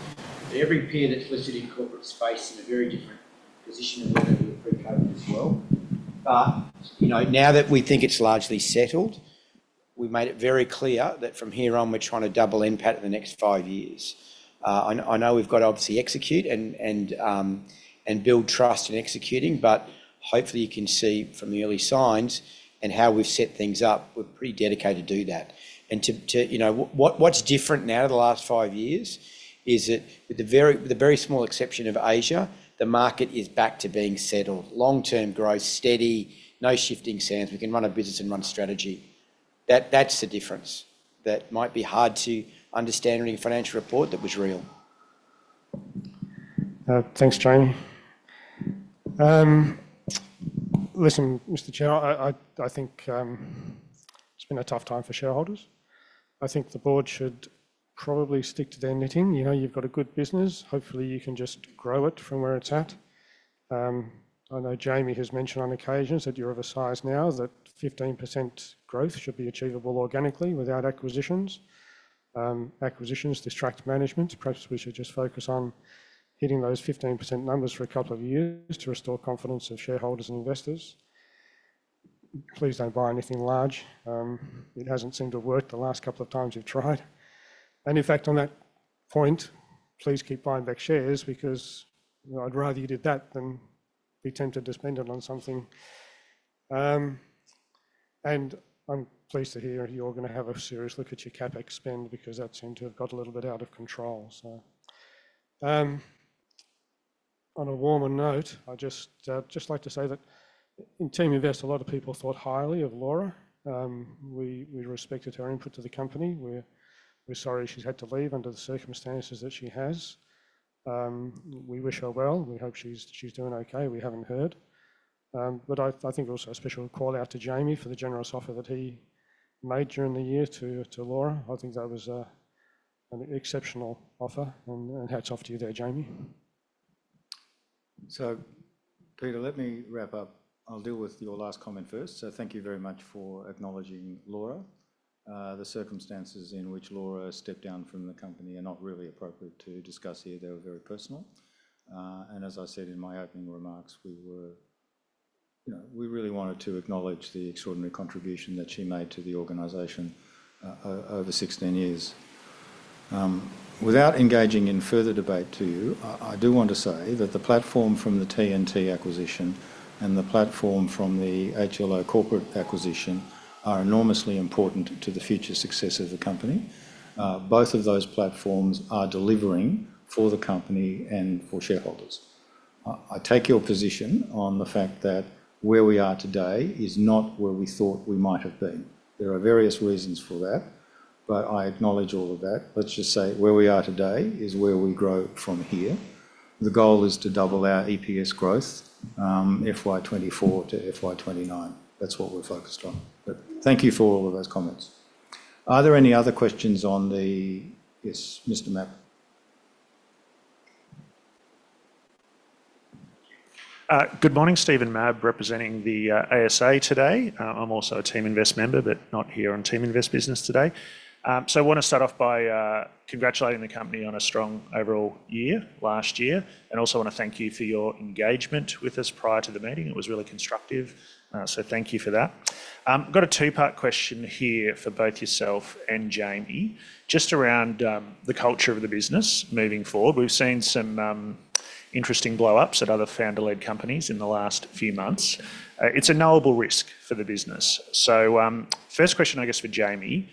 Every peer that's listed in corporate space is in a very different position than we were pre-COVID as well. But now that we think it's largely settled, we've made it very clear that from here on, we're trying to double impact the next five years. I know we've got to obviously execute and build trust in executing, but hopefully, you can see from the early signs and how we've set things up, we're pretty dedicated to do that, and what's different now the last five years is that with the very small exception of Asia, the market is back to being settled. Long-term growth, steady, no shifting sands. We can run our business and run strategy. That's the difference that might be hard to understand in a financial report that was real. Thanks, Jamie. Listen, Mr. Chairman, it's been a tough time for shareholders. The board should probably stick to their knitting. You've got a good business. Hopefully, you can just grow it from where it's at. I know Jamie has mentioned on occasion that you're of a size now that 15% growth should be achievable organically without acquisitions. Acquisitions distract management. Perhaps we should just focus on hitting those 15% numbers for a couple of years to restore confidence of shareholders and investors. Please don't buy anything large. It hasn't seemed to work the last couple of times you've tried. And in fact, on that point, please keep buying back shares because I'd rather you did that than be tempted to spend it on something. I'm pleased to hear you're going to have a serious look at your CapEx spend because that seemed to have got a little bit out of control. On a warmer note, I'd just like to say that in Team Invest, a lot of people thought highly of Laura. We respected her input to the company. We're sorry she's had to leave under the circumstances that she has. We wish her well. We hope she's doing okay. We haven't heard. But also a special call out to Jamie for the generous offer that he made during the year to Laura. That was an exceptional offer, and hats off to you there, Jamie. So, Peter, let me wrap up. I'll deal with your last comment first. So thank you very much for acknowledging Laura. The circumstances in which Laura stepped down from the company are not really appropriate to discuss here. They were very personal. And as I said in my opening remarks, we really wanted to acknowledge the extraordinary contribution that she made to the organization over 16 years. Without engaging in further debate to you, I do want to say that the platform from the T&T acquisition and the platform from the Helloworld corporate acquisition are enormously important to the future success of the company. Both of those platforms are delivering for the company and for shareholders. I take your position on the fact that where we are today is not where we thought we might have been. There are various reasons for that, but I acknowledge all of that. Let's just say where we are today is where we grow from here. The goal is to double our EPS growth, FY24 to FY29. That's what we're focused on. But thank you for all of those comments. Are there any other questions on the... Yes, Mr. Mabb. Good morning, Stephen Mabb, representing the ASA today. I'm also a Team Invest member, but not here on Team Invest business today. So I want to start off by congratulating the company on a strong overall year last year, and also want to thank you for your engagement with us prior to the meeting. It was really constructive. So thank you for that. I've got a two-part question here for both yourself and Jamie, just around the culture of the business moving forward. We've seen some interesting blow-ups at other founder-led companies in the last few months. It's a knowable risk for the business. So first question for Jamie,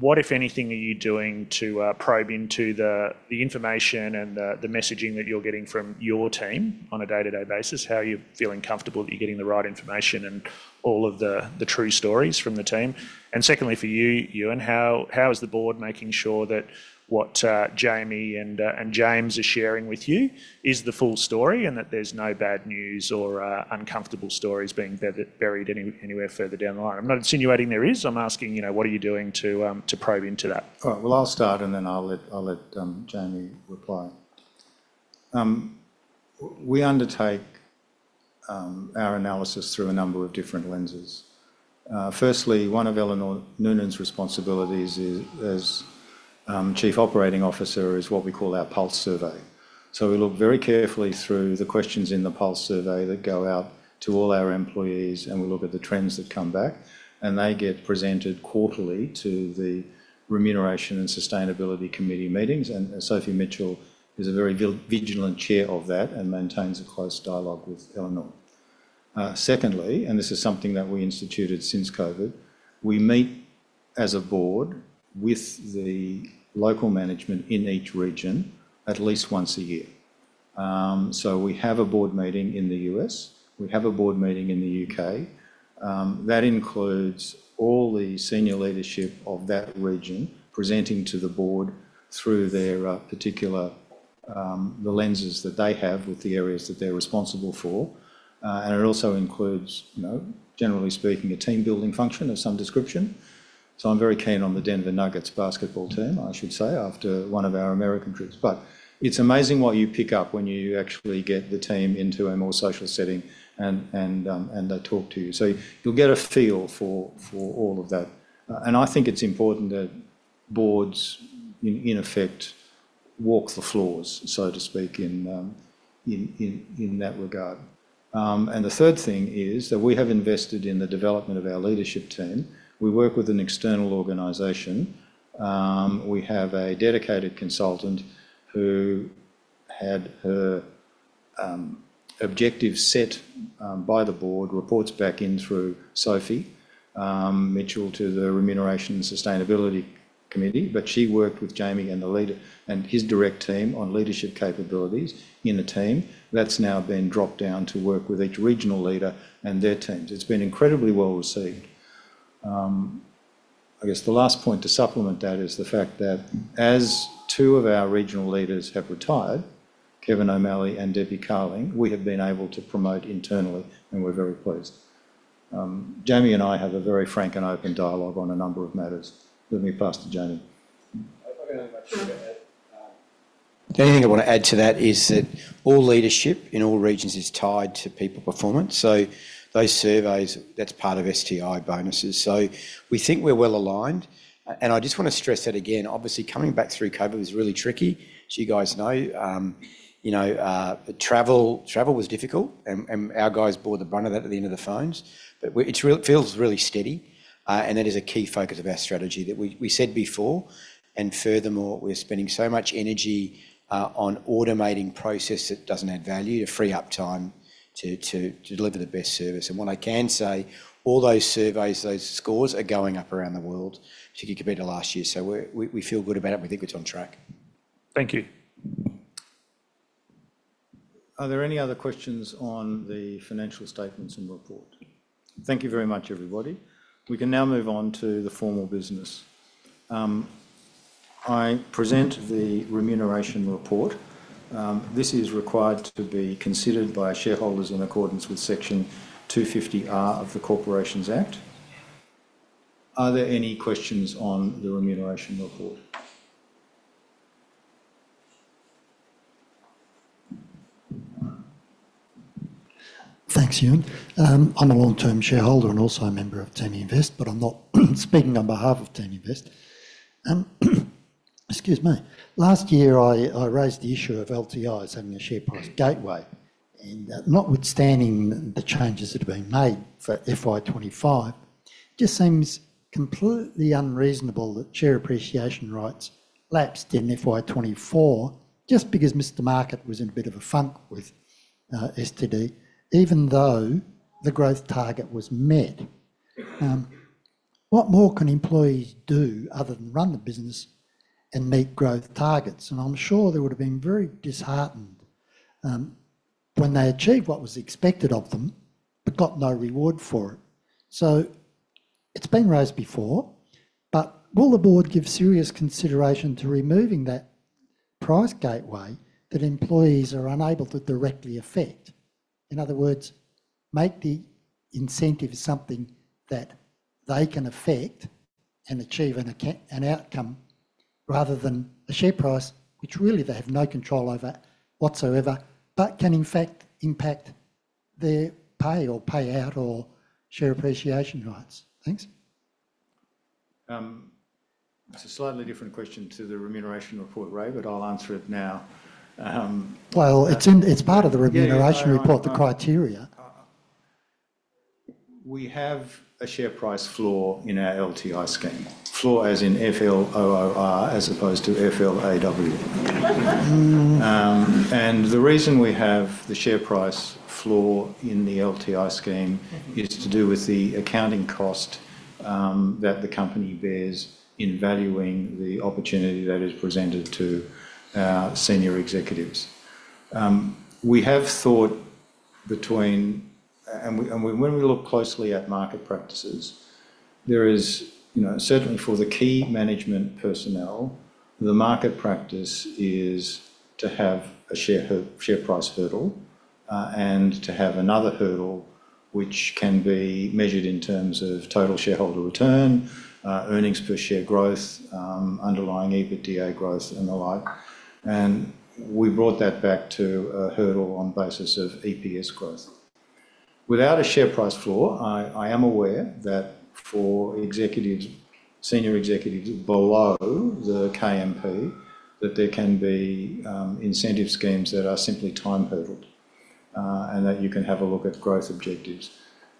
what, if anything, are you doing to probe into the information and the messaging that you're getting from your team on a day-to-day basis? How are you feeling comfortable that you're getting the right information and all of the true stories from the team? And secondly, for you, Ewen, how is the board making sure that what Jamie and James are sharing with you is the full story and that there's no bad news or uncomfortable stories being buried anywhere further down the line? I'm not insinuating there is. I'm asking, what are you doing to probe into that? I'll start, and then I'll let Jamie reply. We undertake our analysis through a number of different lenses. Firstly, one of Eleanor Noonan's responsibilities as Chief Operating Officer is what we call our pulse survey. So we look very carefully through the questions in the pulse survey that go out to all our employees, and we look at the trends that come back, and they get presented quarterly to the Remuneration and Sustainability Committee meetings. And Sophie Mitchell is a very vigilant chair of that and maintains a close dialogue with Eleanor. Secondly, and this is something that we instituted since COVID, we meet as a board with the local management in each region at least once a year. So we have a board meeting in the U.S. We have a board meeting in the U.K. That includes all the senior leadership of that region presenting to the board through the lenses that they have with the areas that they're responsible for. And it also includes, generally speaking, a team-building function of some description. So I'm very keen on the Denver Nuggets basketball team, I should say, after one of our American trips. But it's amazing what you pick up when you actually get the team into a more social setting and they talk to you. So you'll get a feel for all of that. And it's important that boards, in effect, walk the floors, so to speak, in that regard. And the third thing is that we have invested in the development of our leadership team. We work with an external organization. We have a dedicated consultant who had her objective set by the board, reports back in through Sophie Mitchell to the Remuneration and Sustainability Committee, but she worked with Jamie and his direct team on leadership capabilities in a team that's now been dropped down to work with each regional leader and their teams. It's been incredibly well received. the last point to supplement that is the fact that as two of our regional leaders have retired, Kevin O'Malley and Debbie Carling, we have been able to promote internally, and we're very pleased. Jamie and I have a very frank and open dialogue on a number of matters. Let me pass to Jamie. If anything I want to add to that is that all leadership in all regions is tied to people performance. So those surveys, that's part of STI bonuses. So we think we're well aligned. And I just want to stress that again. Obviously, coming back through COVID was really tricky, as you guys know. Travel was difficult, and our guys bore the brunt of that at the end of the phones. But it feels really steady, and that is a key focus of our strategy that we said before. And furthermore, we're spending so much energy on automating processes that don't add value to free up time to deliver the best service. And what I can say, all those surveys, those scores are going up around the world to compare to last year. So we feel good about it. We think it's on track. Thank you. Are there any other questions on the financial statements and report? Thank you very much, everybody. We can now move on to the formal business. I present the remuneration report. This is required to be considered by shareholders in accordance with Section 250(R) of the Corporations Act. Are there any questions on the remuneration report? Thanks, Ewen. I'm a long-term shareholder and also a member of Team Invest, but I'm not speaking on behalf of Team Invest. Excuse me. Last year, I raised the issue of LTIs having a share price gateway. And notwithstanding the changes that have been made for FY25, it just seems completely unreasonable that share appreciation rights lapsed in FY24 just because Mr. Market was in a bit of a funk with CTM, even though the growth target was met. What more can employees do other than run the business and meet growth targets? And I'm sure they would have been very disheartened when they achieved what was expected of them but got no reward for it. So it's been raised before, but will the board give serious consideration to removing that price gateway that employees are unable to directly affect? In other words, make the incentive something that they can affect and achieve an outcome rather than a share price, which really they have no control over whatsoever, but can in fact impact their pay or pay out or share appreciation rights. Thanks. That's a slightly different question to the remuneration report, Ray, but I'll answer it now. It's part of the remuneration report, the criteria. We have a share price floor in our LTI scheme. Floor as in FLOOR as opposed to FLAW. And the reason we have the share price floor in the LTI scheme is to do with the accounting cost that the company bears in valuing the opportunity that is presented to senior executives. We have thought between, and when we look closely at market practices, there is certainly for the key management personnel, the market practice is to have a share price hurdle and to have another hurdle, which can be measured in terms of total shareholder return, earnings per share growth, underlying EBITDA growth, and the like. And we brought that back to a hurdle on the basis of EPS growth. Without a share price floor, I am aware that for senior executives below the KMP, that there can be incentive schemes that are simply time-hurdled and that you can have a look at growth objectives.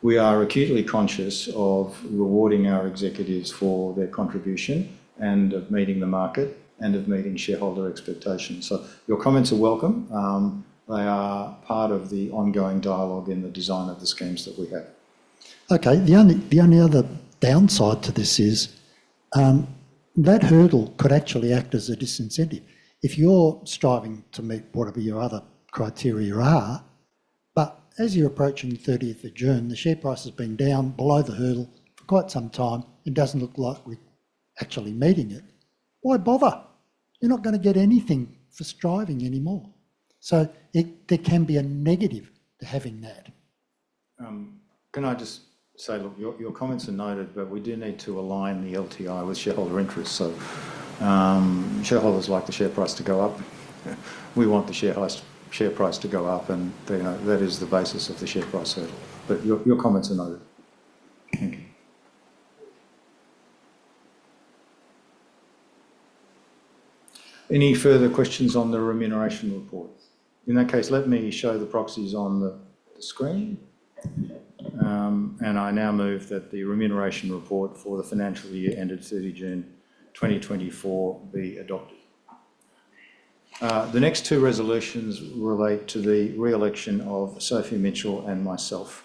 We are acutely conscious of rewarding our executives for their contribution and of meeting the market and of meeting shareholder expectations. So your comments are welcome. They are part of the ongoing dialogue in the design of the schemes that we have. Okay. The only other downside to this is that hurdle could actually act as a disincentive if you're striving to meet whatever your other criteria are. But as you're approaching the 30th of June, the share price has been down below the hurdle for quite some time. It doesn't look like we're actually meeting it. Why bother? You're not going to get anything for striving anymore. So there can be a negative to having that. Can I just say, look, your comments are noted, but we do need to align the LTI with shareholder interests. So shareholders like the share price to go up. We want the share price to go up, and that is the basis of the share price hurdle. But your comments are noted. Thank you. Any further questions on the remuneration report? In that case, let me show the proxies on the screen. And I now move that the remuneration report for the financial year ended 30 June 2024 be adopted. The next two resolutions relate to the re-election of Sophie Mitchell and myself.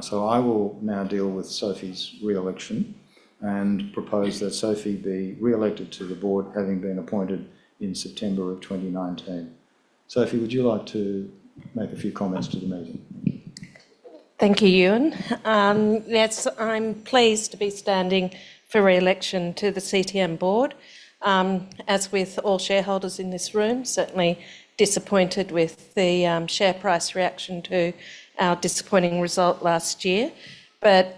So I will now deal with Sophie's re-election and propose that Sophie be re-elected to the board, having been appointed in September of 2019. Sophie, would you like to make a few comments to the meeting? Thank you, Ewen. Yes, I'm pleased to be standing for re-election to the CTM board, as with all shareholders in this room. Certainly disappointed with the share price reaction to our disappointing result last year, but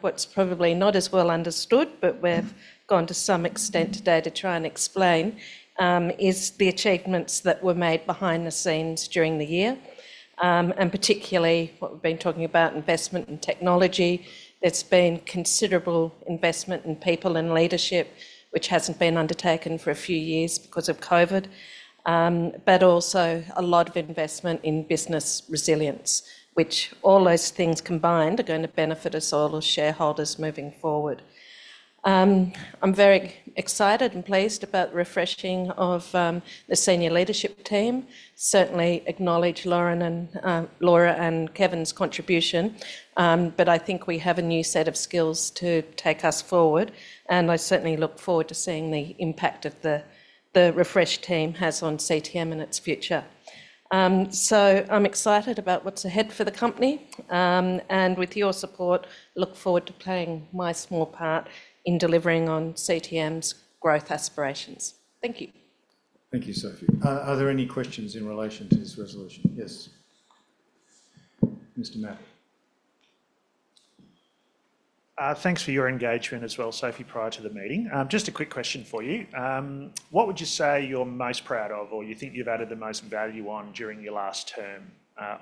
what's probably not as well understood, but we've gone to some extent today to try and explain, is the achievements that were made behind the scenes during the year, and particularly what we've been talking about, investment and technology. There's been considerable investment in people and leadership, which hasn't been undertaken for a few years because of COVID, but also a lot of investment in business resilience, which all those things combined are going to benefit us all as shareholders moving forward. I'm very excited and pleased about the refreshing of the senior leadership team. Certainly acknowledge Laura and Kevin's contribution, but we have a new set of skills to take us forward, and I certainly look forward to seeing the impact that the refreshed team has on CTM and its future. So I'm excited about what's ahead for the company, and with your support, look forward to playing my small part in delivering on CTM's growth aspirations. Thank you. Thank you, Sophie. Are there any questions in relation to this resolution? Yes. Mr. Matthew. Thanks for your engagement as well, Sophie, prior to the meeting. Just a quick question for you. What would you say you're most proud of or you think you've added the most value on during your last term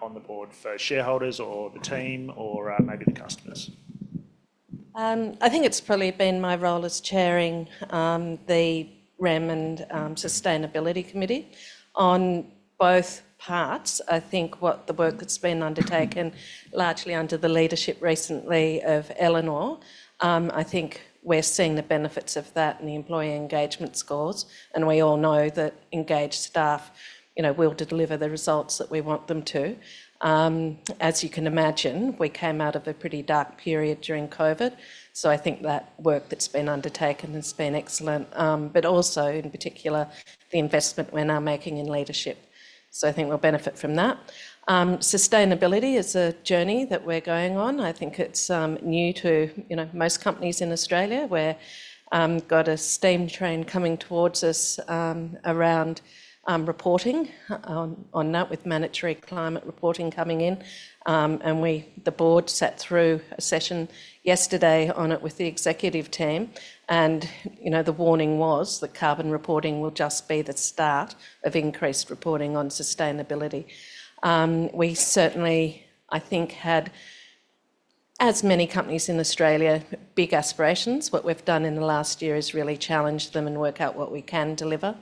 on the board for shareholders or the team or maybe the customers? It's probably been my role as chairing the Remuneration and Sustainability Committee on both parts. What the work that's been undertaken, largely under the leadership recently of Eleanor, we're seeing the benefits of that and the employee engagement scores, and we all know that engaged staff will deliver the results that we want them to. As you can imagine, we came out of a pretty dark period during COVID. So that work that's been undertaken has been excellent, but also in particular, the investment we're now making in leadership. So we'll benefit from that. Sustainability is a journey that we're going on. It's new to most companies in Australia. We've got a steam train coming towards us around reporting on that with mandatory climate reporting coming in. The board sat through a session yesterday on it with the executive team. The warning was that carbon reporting will just be the start of increased reporting on sustainability. We certainly had, as many companies in Australia, big aspirations. What we've done in the last year is really challenge them and work out what we can deliver.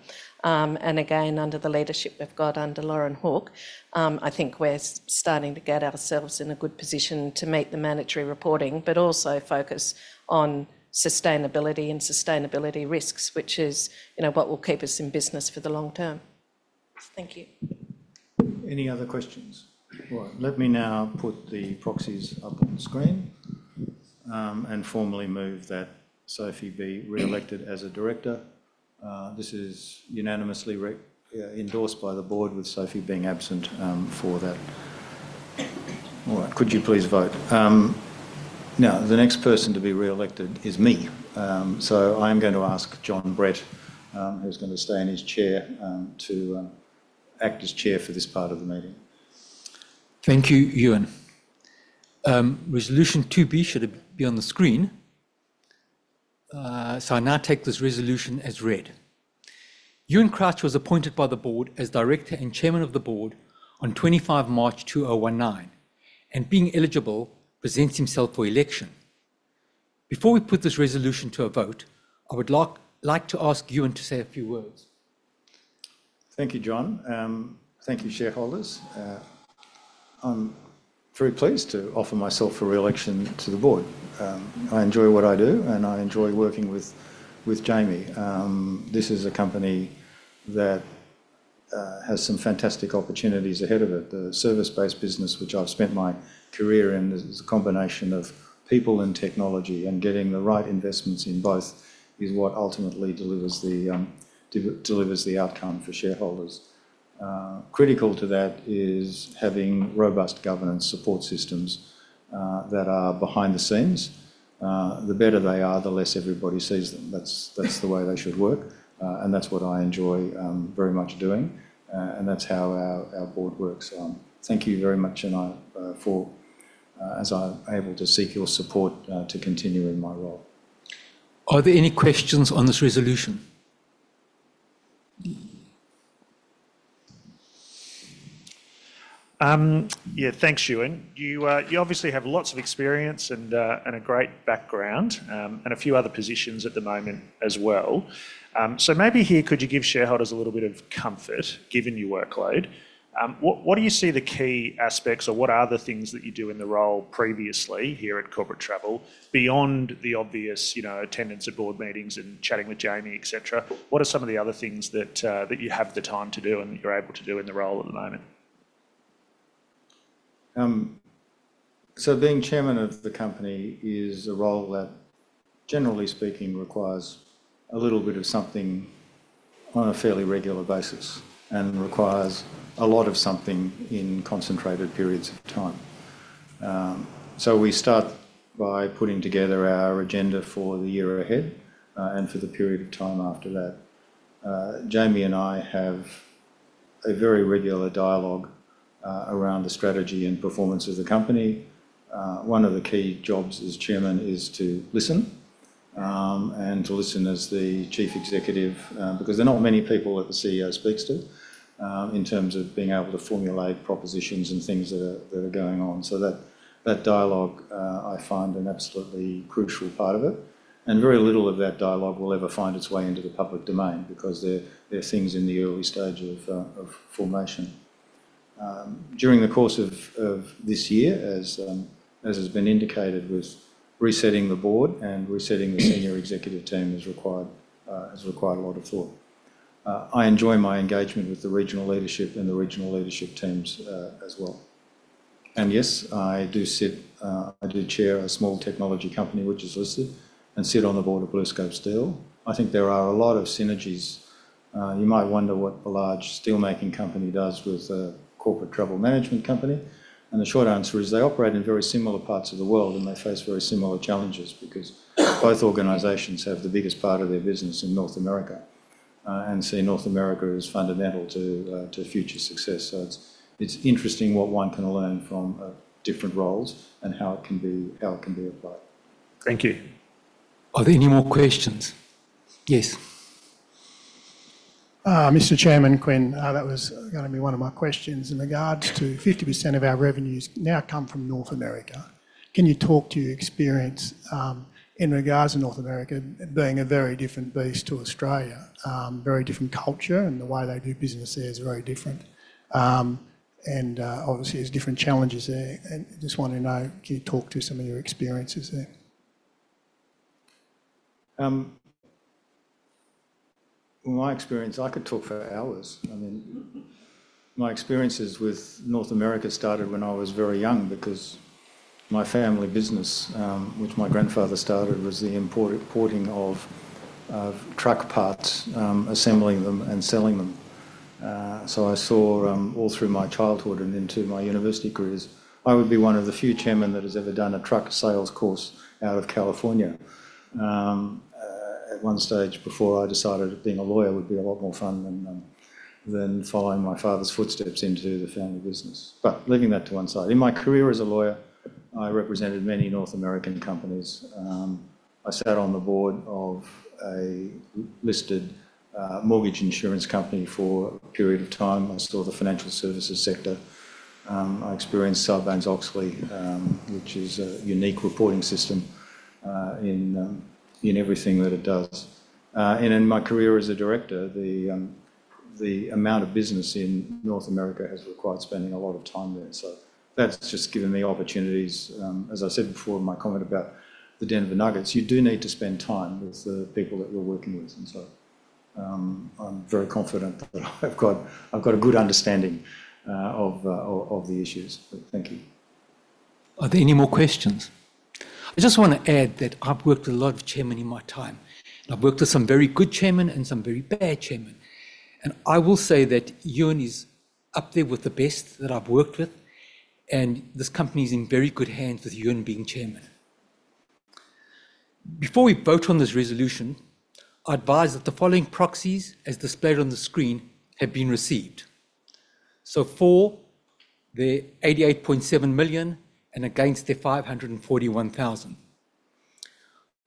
Again, under the leadership we've got under Lauren Hawke, we're starting to get ourselves in a good position to meet the mandatory reporting, but also focus on sustainability and sustainability risks, which is what will keep us in business for the long term. Thank you. Any other questions? All right. Let me now put the proxies up on the screen and formally move that Sophie be re-elected as a director. This is unanimously endorsed by the board with Sophie being absent for that. All right. Could you please vote? Now, the next person to be re-elected is me. So I'm going to ask Jon Brett, who's going to stay in his chair, to act as chair for this part of the meeting. Thank you, Ewen. Resolution 2B should be on the screen. So I now take this resolution as read. Ewen Crouch was appointed by the board as director and chairman of the board on 25 March 2019 and being eligible presents himself for election. Before we put this resolution to a vote, I would like to ask Ewen to say a few words. Thank you, Jon. Thank you, shareholders. I'm very pleased to offer myself for re-election to the board. I enjoy what I do, and I enjoy working with Jamie. This is a company that has some fantastic opportunities ahead of it. The service-based business, which I've spent my career in, is a combination of people and technology, and getting the right investments in both is what ultimately delivers the outcome for shareholders. Critical to that is having robust governance support systems that are behind the scenes. The better they are, the less everybody sees them. That's the way they should work, and that's what I enjoy very much doing, and that's how our board works. Thank you very much, as I'm able to seek your support to continue in my role. Are there any questions on this resolution? Thanks, Ewen. You obviously have lots of experience and a great background and a few other positions at the moment as well. So maybe here, could you give shareholders a little bit of comfort, given your workload? What do you see the key aspects or what are the things that you do in the role previously here at Corporate Travel beyond the obvious attendance at board meetings and chatting with Jamie, etc.? What are some of the other things that you have the time to do and you're able to do in the role at the moment? Being chairman of the company is a role that, generally speaking, requires a little bit of something on a fairly regular basis and requires a lot of something in concentrated periods of time. We start by putting together our agenda for the year ahead and for the period of time after that. Jamie and I have a very regular dialogue around the strategy and performance of the company. One of the key jobs as chairman is to listen and to listen as the chief executive, because there are not many people that the CEO speaks to in terms of being able to formulate propositions and things that are going on. That dialogue, I find, is an absolutely crucial part of it. Very little of that dialogue will ever find its way into the public domain because they're things in the early stage of formation. During the course of this year, as has been indicated, with resetting the board and resetting the senior executive team has required a lot of thought. I enjoy my engagement with the regional leadership and the regional leadership teams as well, and yes, I do chair a small technology company, which is listed, and sit on the board of BlueScope Steel. There are a lot of synergies. You might wonder what a large steelmaking company does with a corporate travel management company, and the short answer is they operate in very similar parts of the world, and they face very similar challenges because both organizations have the biggest part of their business in North America and see North America as fundamental to future success, so it's interesting what one can learn from different roles and how it can be applied. Thank you. Are there any more questions? Yes. Mr. Chairman, Quinn, that was going to be one of my questions in regards to 50% of our revenues now come from North America. Can you talk to your experience in regards to North America being a very different beast to Australia, very different culture, and the way they do business there is very different? And obviously, there's different challenges there. And just want to know, can you talk to some of your experiences there? My experience, I could talk for hours. My experiences with North America started when I was very young because my family business, which my grandfather started, was the importing of truck parts, assembling them, and selling them, so I saw all through my childhood and into my university careers. I would be one of the few chairmen that has ever done a truck sales course out of California at one stage before I decided being a lawyer would be a lot more fun than following my father's footsteps into the family business, but leaving that to one side, in my career as a lawyer, I represented many North American companies. I sat on the board of a listed mortgage insurance company for a period of time. I saw the financial services sector. I experienced Sarbanes-Oxley, which is a unique reporting system in everything that it does. In my career as a director, the amount of business in North America has required spending a lot of time there. So that's just given me opportunities. As I said before in my comment about the Denver Nuggets, you do need to spend time with the people that you're working with. And so I'm very confident that I've got a good understanding of the issues. Thank you. Are there any more questions? I just want to add that I've worked with a lot of chairmen in my time. I've worked with some very good chairmen and some very bad chairmen, and I will say that Ewen is up there with the best that I've worked with, and this company is in very good hands with Ewen being chairman. Before we vote on this resolution, I advise that the following proxies, as displayed on the screen, have been received. So for the 88.7 million and against the 541,000,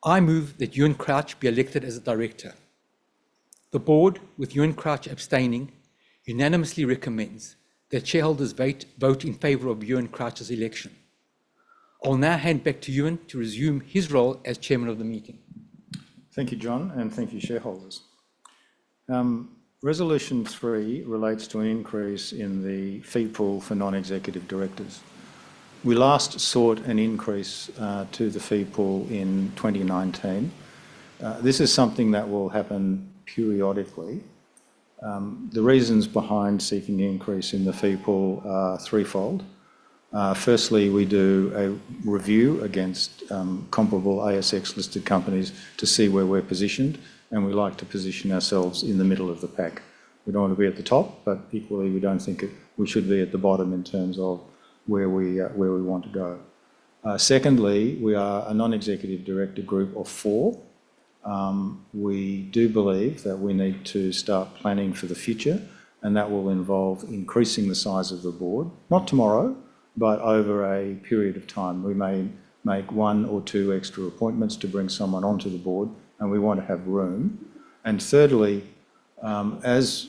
I move that Ewen Crouch be elected as a director. The board, with Ewen Crouch abstaining, unanimously recommends that shareholders vote in favor of Ewen Crouch's election. I'll now hand back to Ewen to resume his role as chairman of the meeting. Thank you, Jon, and thank you, shareholders. Resolution three relates to an increase in the fee pool for non-executive directors. We last sought an increase to the fee pool in 2019. This is something that will happen periodically. The reasons behind seeking the increase in the fee pool are threefold. Firstly, we do a review against comparable ASX-listed companies to see where we're positioned, and we like to position ourselves in the middle of the pack. We don't want to be at the top, but equally, we don't think we should be at the bottom in terms of where we want to go. Secondly, we are a non-executive director group of four. We do believe that we need to start planning for the future, and that will involve increasing the size of the board, not tomorrow, but over a period of time. We may make one or two extra appointments to bring someone onto the board, and we want to have room, and thirdly, as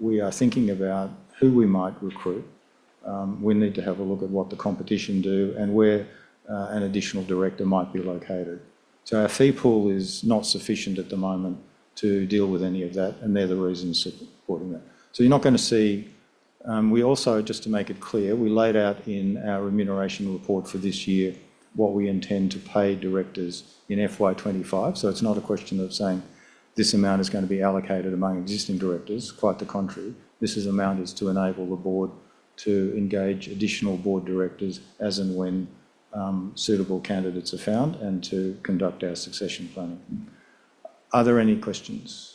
we are thinking about who we might recruit, we need to have a look at what the competition do and where an additional director might be located, so our fee pool is not sufficient at the moment to deal with any of that, and they're the reasons supporting that. So you're not going to see, we also, just to make it clear, we laid out in our remuneration report for this year what we intend to pay directors in FY25. So it's not a question of saying this amount is going to be allocated among existing directors. Quite the contrary. This amount is to enable the board to engage additional board directors as and when suitable candidates are found and to conduct our succession planning. Are there any questions?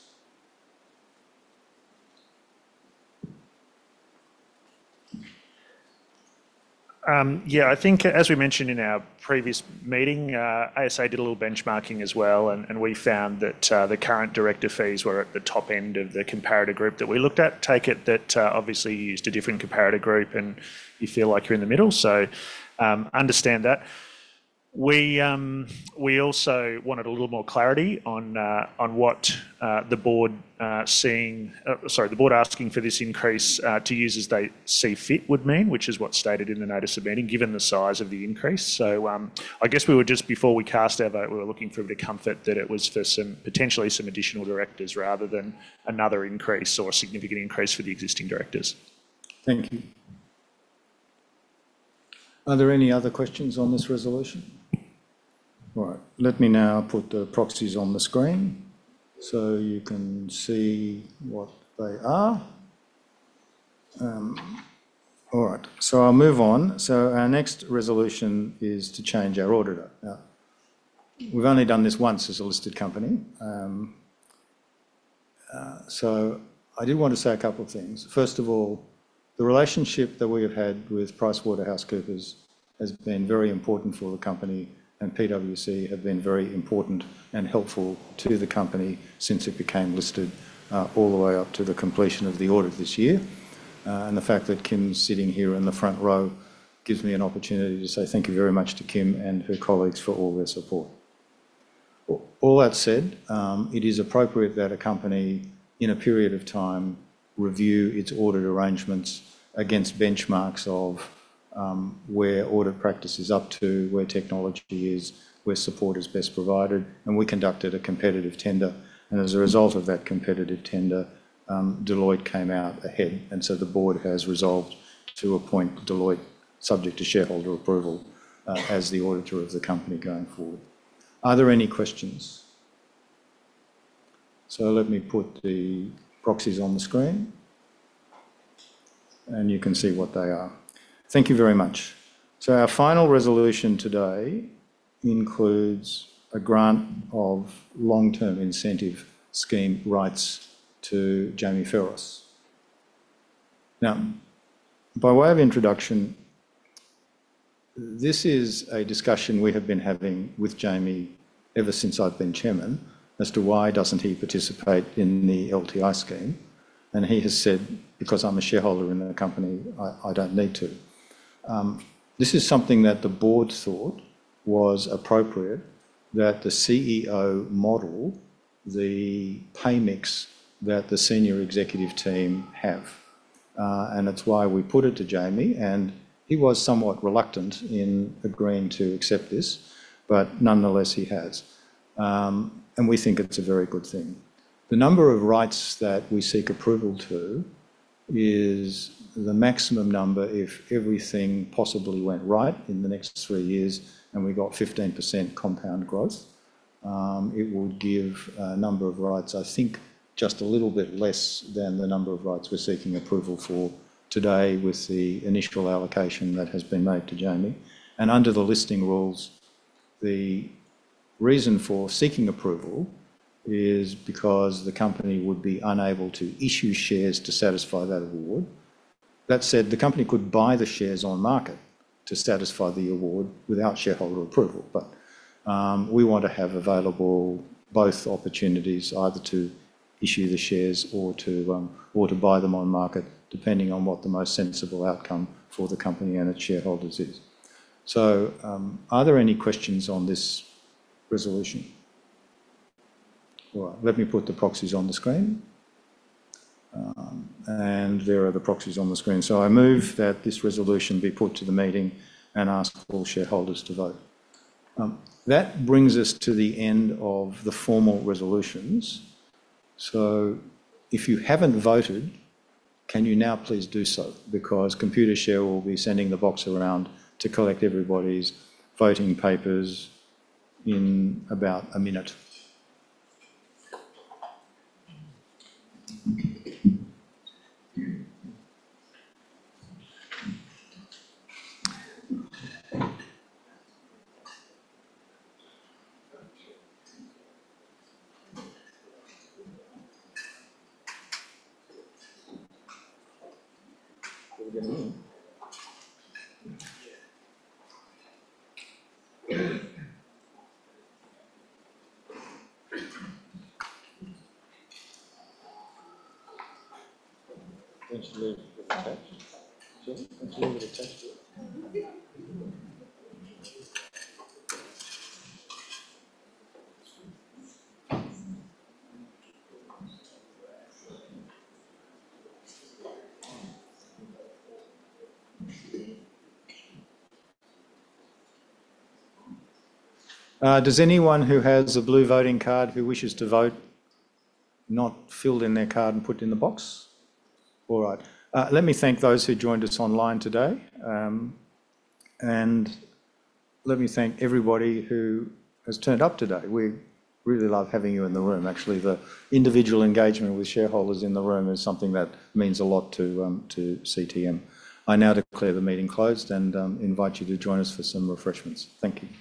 As we mentioned in our previous meeting, ASA did a little benchmarking as well, and we found that the current director fees were at the top end of the comparator group that we looked at. I take it that obviously you used a different comparator group and you feel like you're in the middle, so understand that. We also wanted a little more clarity on what the board seeing, sorry, the board asking for this increase to use as they see fit would mean, which is what's stated in the notice of meeting given the size of the increase. So we were just, before we cast our vote, we were looking for a bit of comfort that it was for potentially some additional directors rather than another increase or a significant increase for the existing directors. Thank you. Are there any other questions on this resolution? All right. Let me now put the proxies on the screen so you can see what they are. All right. So I'll move on. So our next resolution is to change our auditor. We've only done this once as a listed company. So I did want to say a couple of things. First of all, the relationship that we have had with PricewaterhouseCoopers has been very important for the company, and PwC have been very important and helpful to the company since it became listed all the way up to the completion of the audit this year. And the fact that Kim's sitting here in the front row gives me an opportunity to say thank you very much to Kim and her colleagues for all their support. All that said, it is appropriate that a company in a period of time review its audit arrangements against benchmarks of where audit practice is up to, where technology is, where support is best provided, and we conducted a competitive tender, and as a result of that competitive tender, Deloitte came out ahead, and so the board has resolved to appoint Deloitte subject to shareholder approval as the auditor of the company going forward. Are there any questions? So let me put the proxies on the screen, and you can see what they are. Thank you very much. Our final resolution today includes a grant of long-term incentive scheme rights to Jamie Pherous. Now, by way of introduction, this is a discussion we have been having with Jamie ever since I've been chairman as to why doesn't he participate in the LTI scheme. He has said, "Because I'm a shareholder in the company, I don't need to." This is something that the board thought was appropriate, that the CEO model, the pay mix that the senior executive team have. And it's why we put it to Jamie, and he was somewhat reluctant in agreeing to accept this, but nonetheless, he has. And we think it's a very good thing. The number of rights that we seek approval to is the maximum number if everything possibly went right in the next three years, and we got 15% compound growth. It would give a number of rights, just a little bit less than the number of rights we're seeking approval for today with the initial allocation that has been made to Jamie. And under the listing rules, the reason for seeking approval is because the company would be unable to issue shares to satisfy that award. That said, the company could buy the shares on market to satisfy the award without shareholder approval. But we want to have available both opportunities, either to issue the shares or to buy them on market, depending on what the most sensible outcome for the company and its shareholders is. So are there any questions on this resolution? All right. Let me put the proxies on the screen. And there are the proxies on the screen. So I move that this resolution be put to the meeting and ask all shareholders to vote. That brings us to the end of the formal resolutions. So if you haven't voted, can you now please do so? Because Computershare will be sending the box around to collect everybody's voting papers in about a minute. Does anyone who has a blue voting card who wishes to vote not fill in their card and put it in the box? All right. Let me thank those who joined us online today and let me thank everybody who has turned up today. We really love having you in the room. Actually, the individual engagement with shareholders in the room is something that means a lot to CTM. I now declare the meeting closed and invite you to join us for some refreshments. Thank you.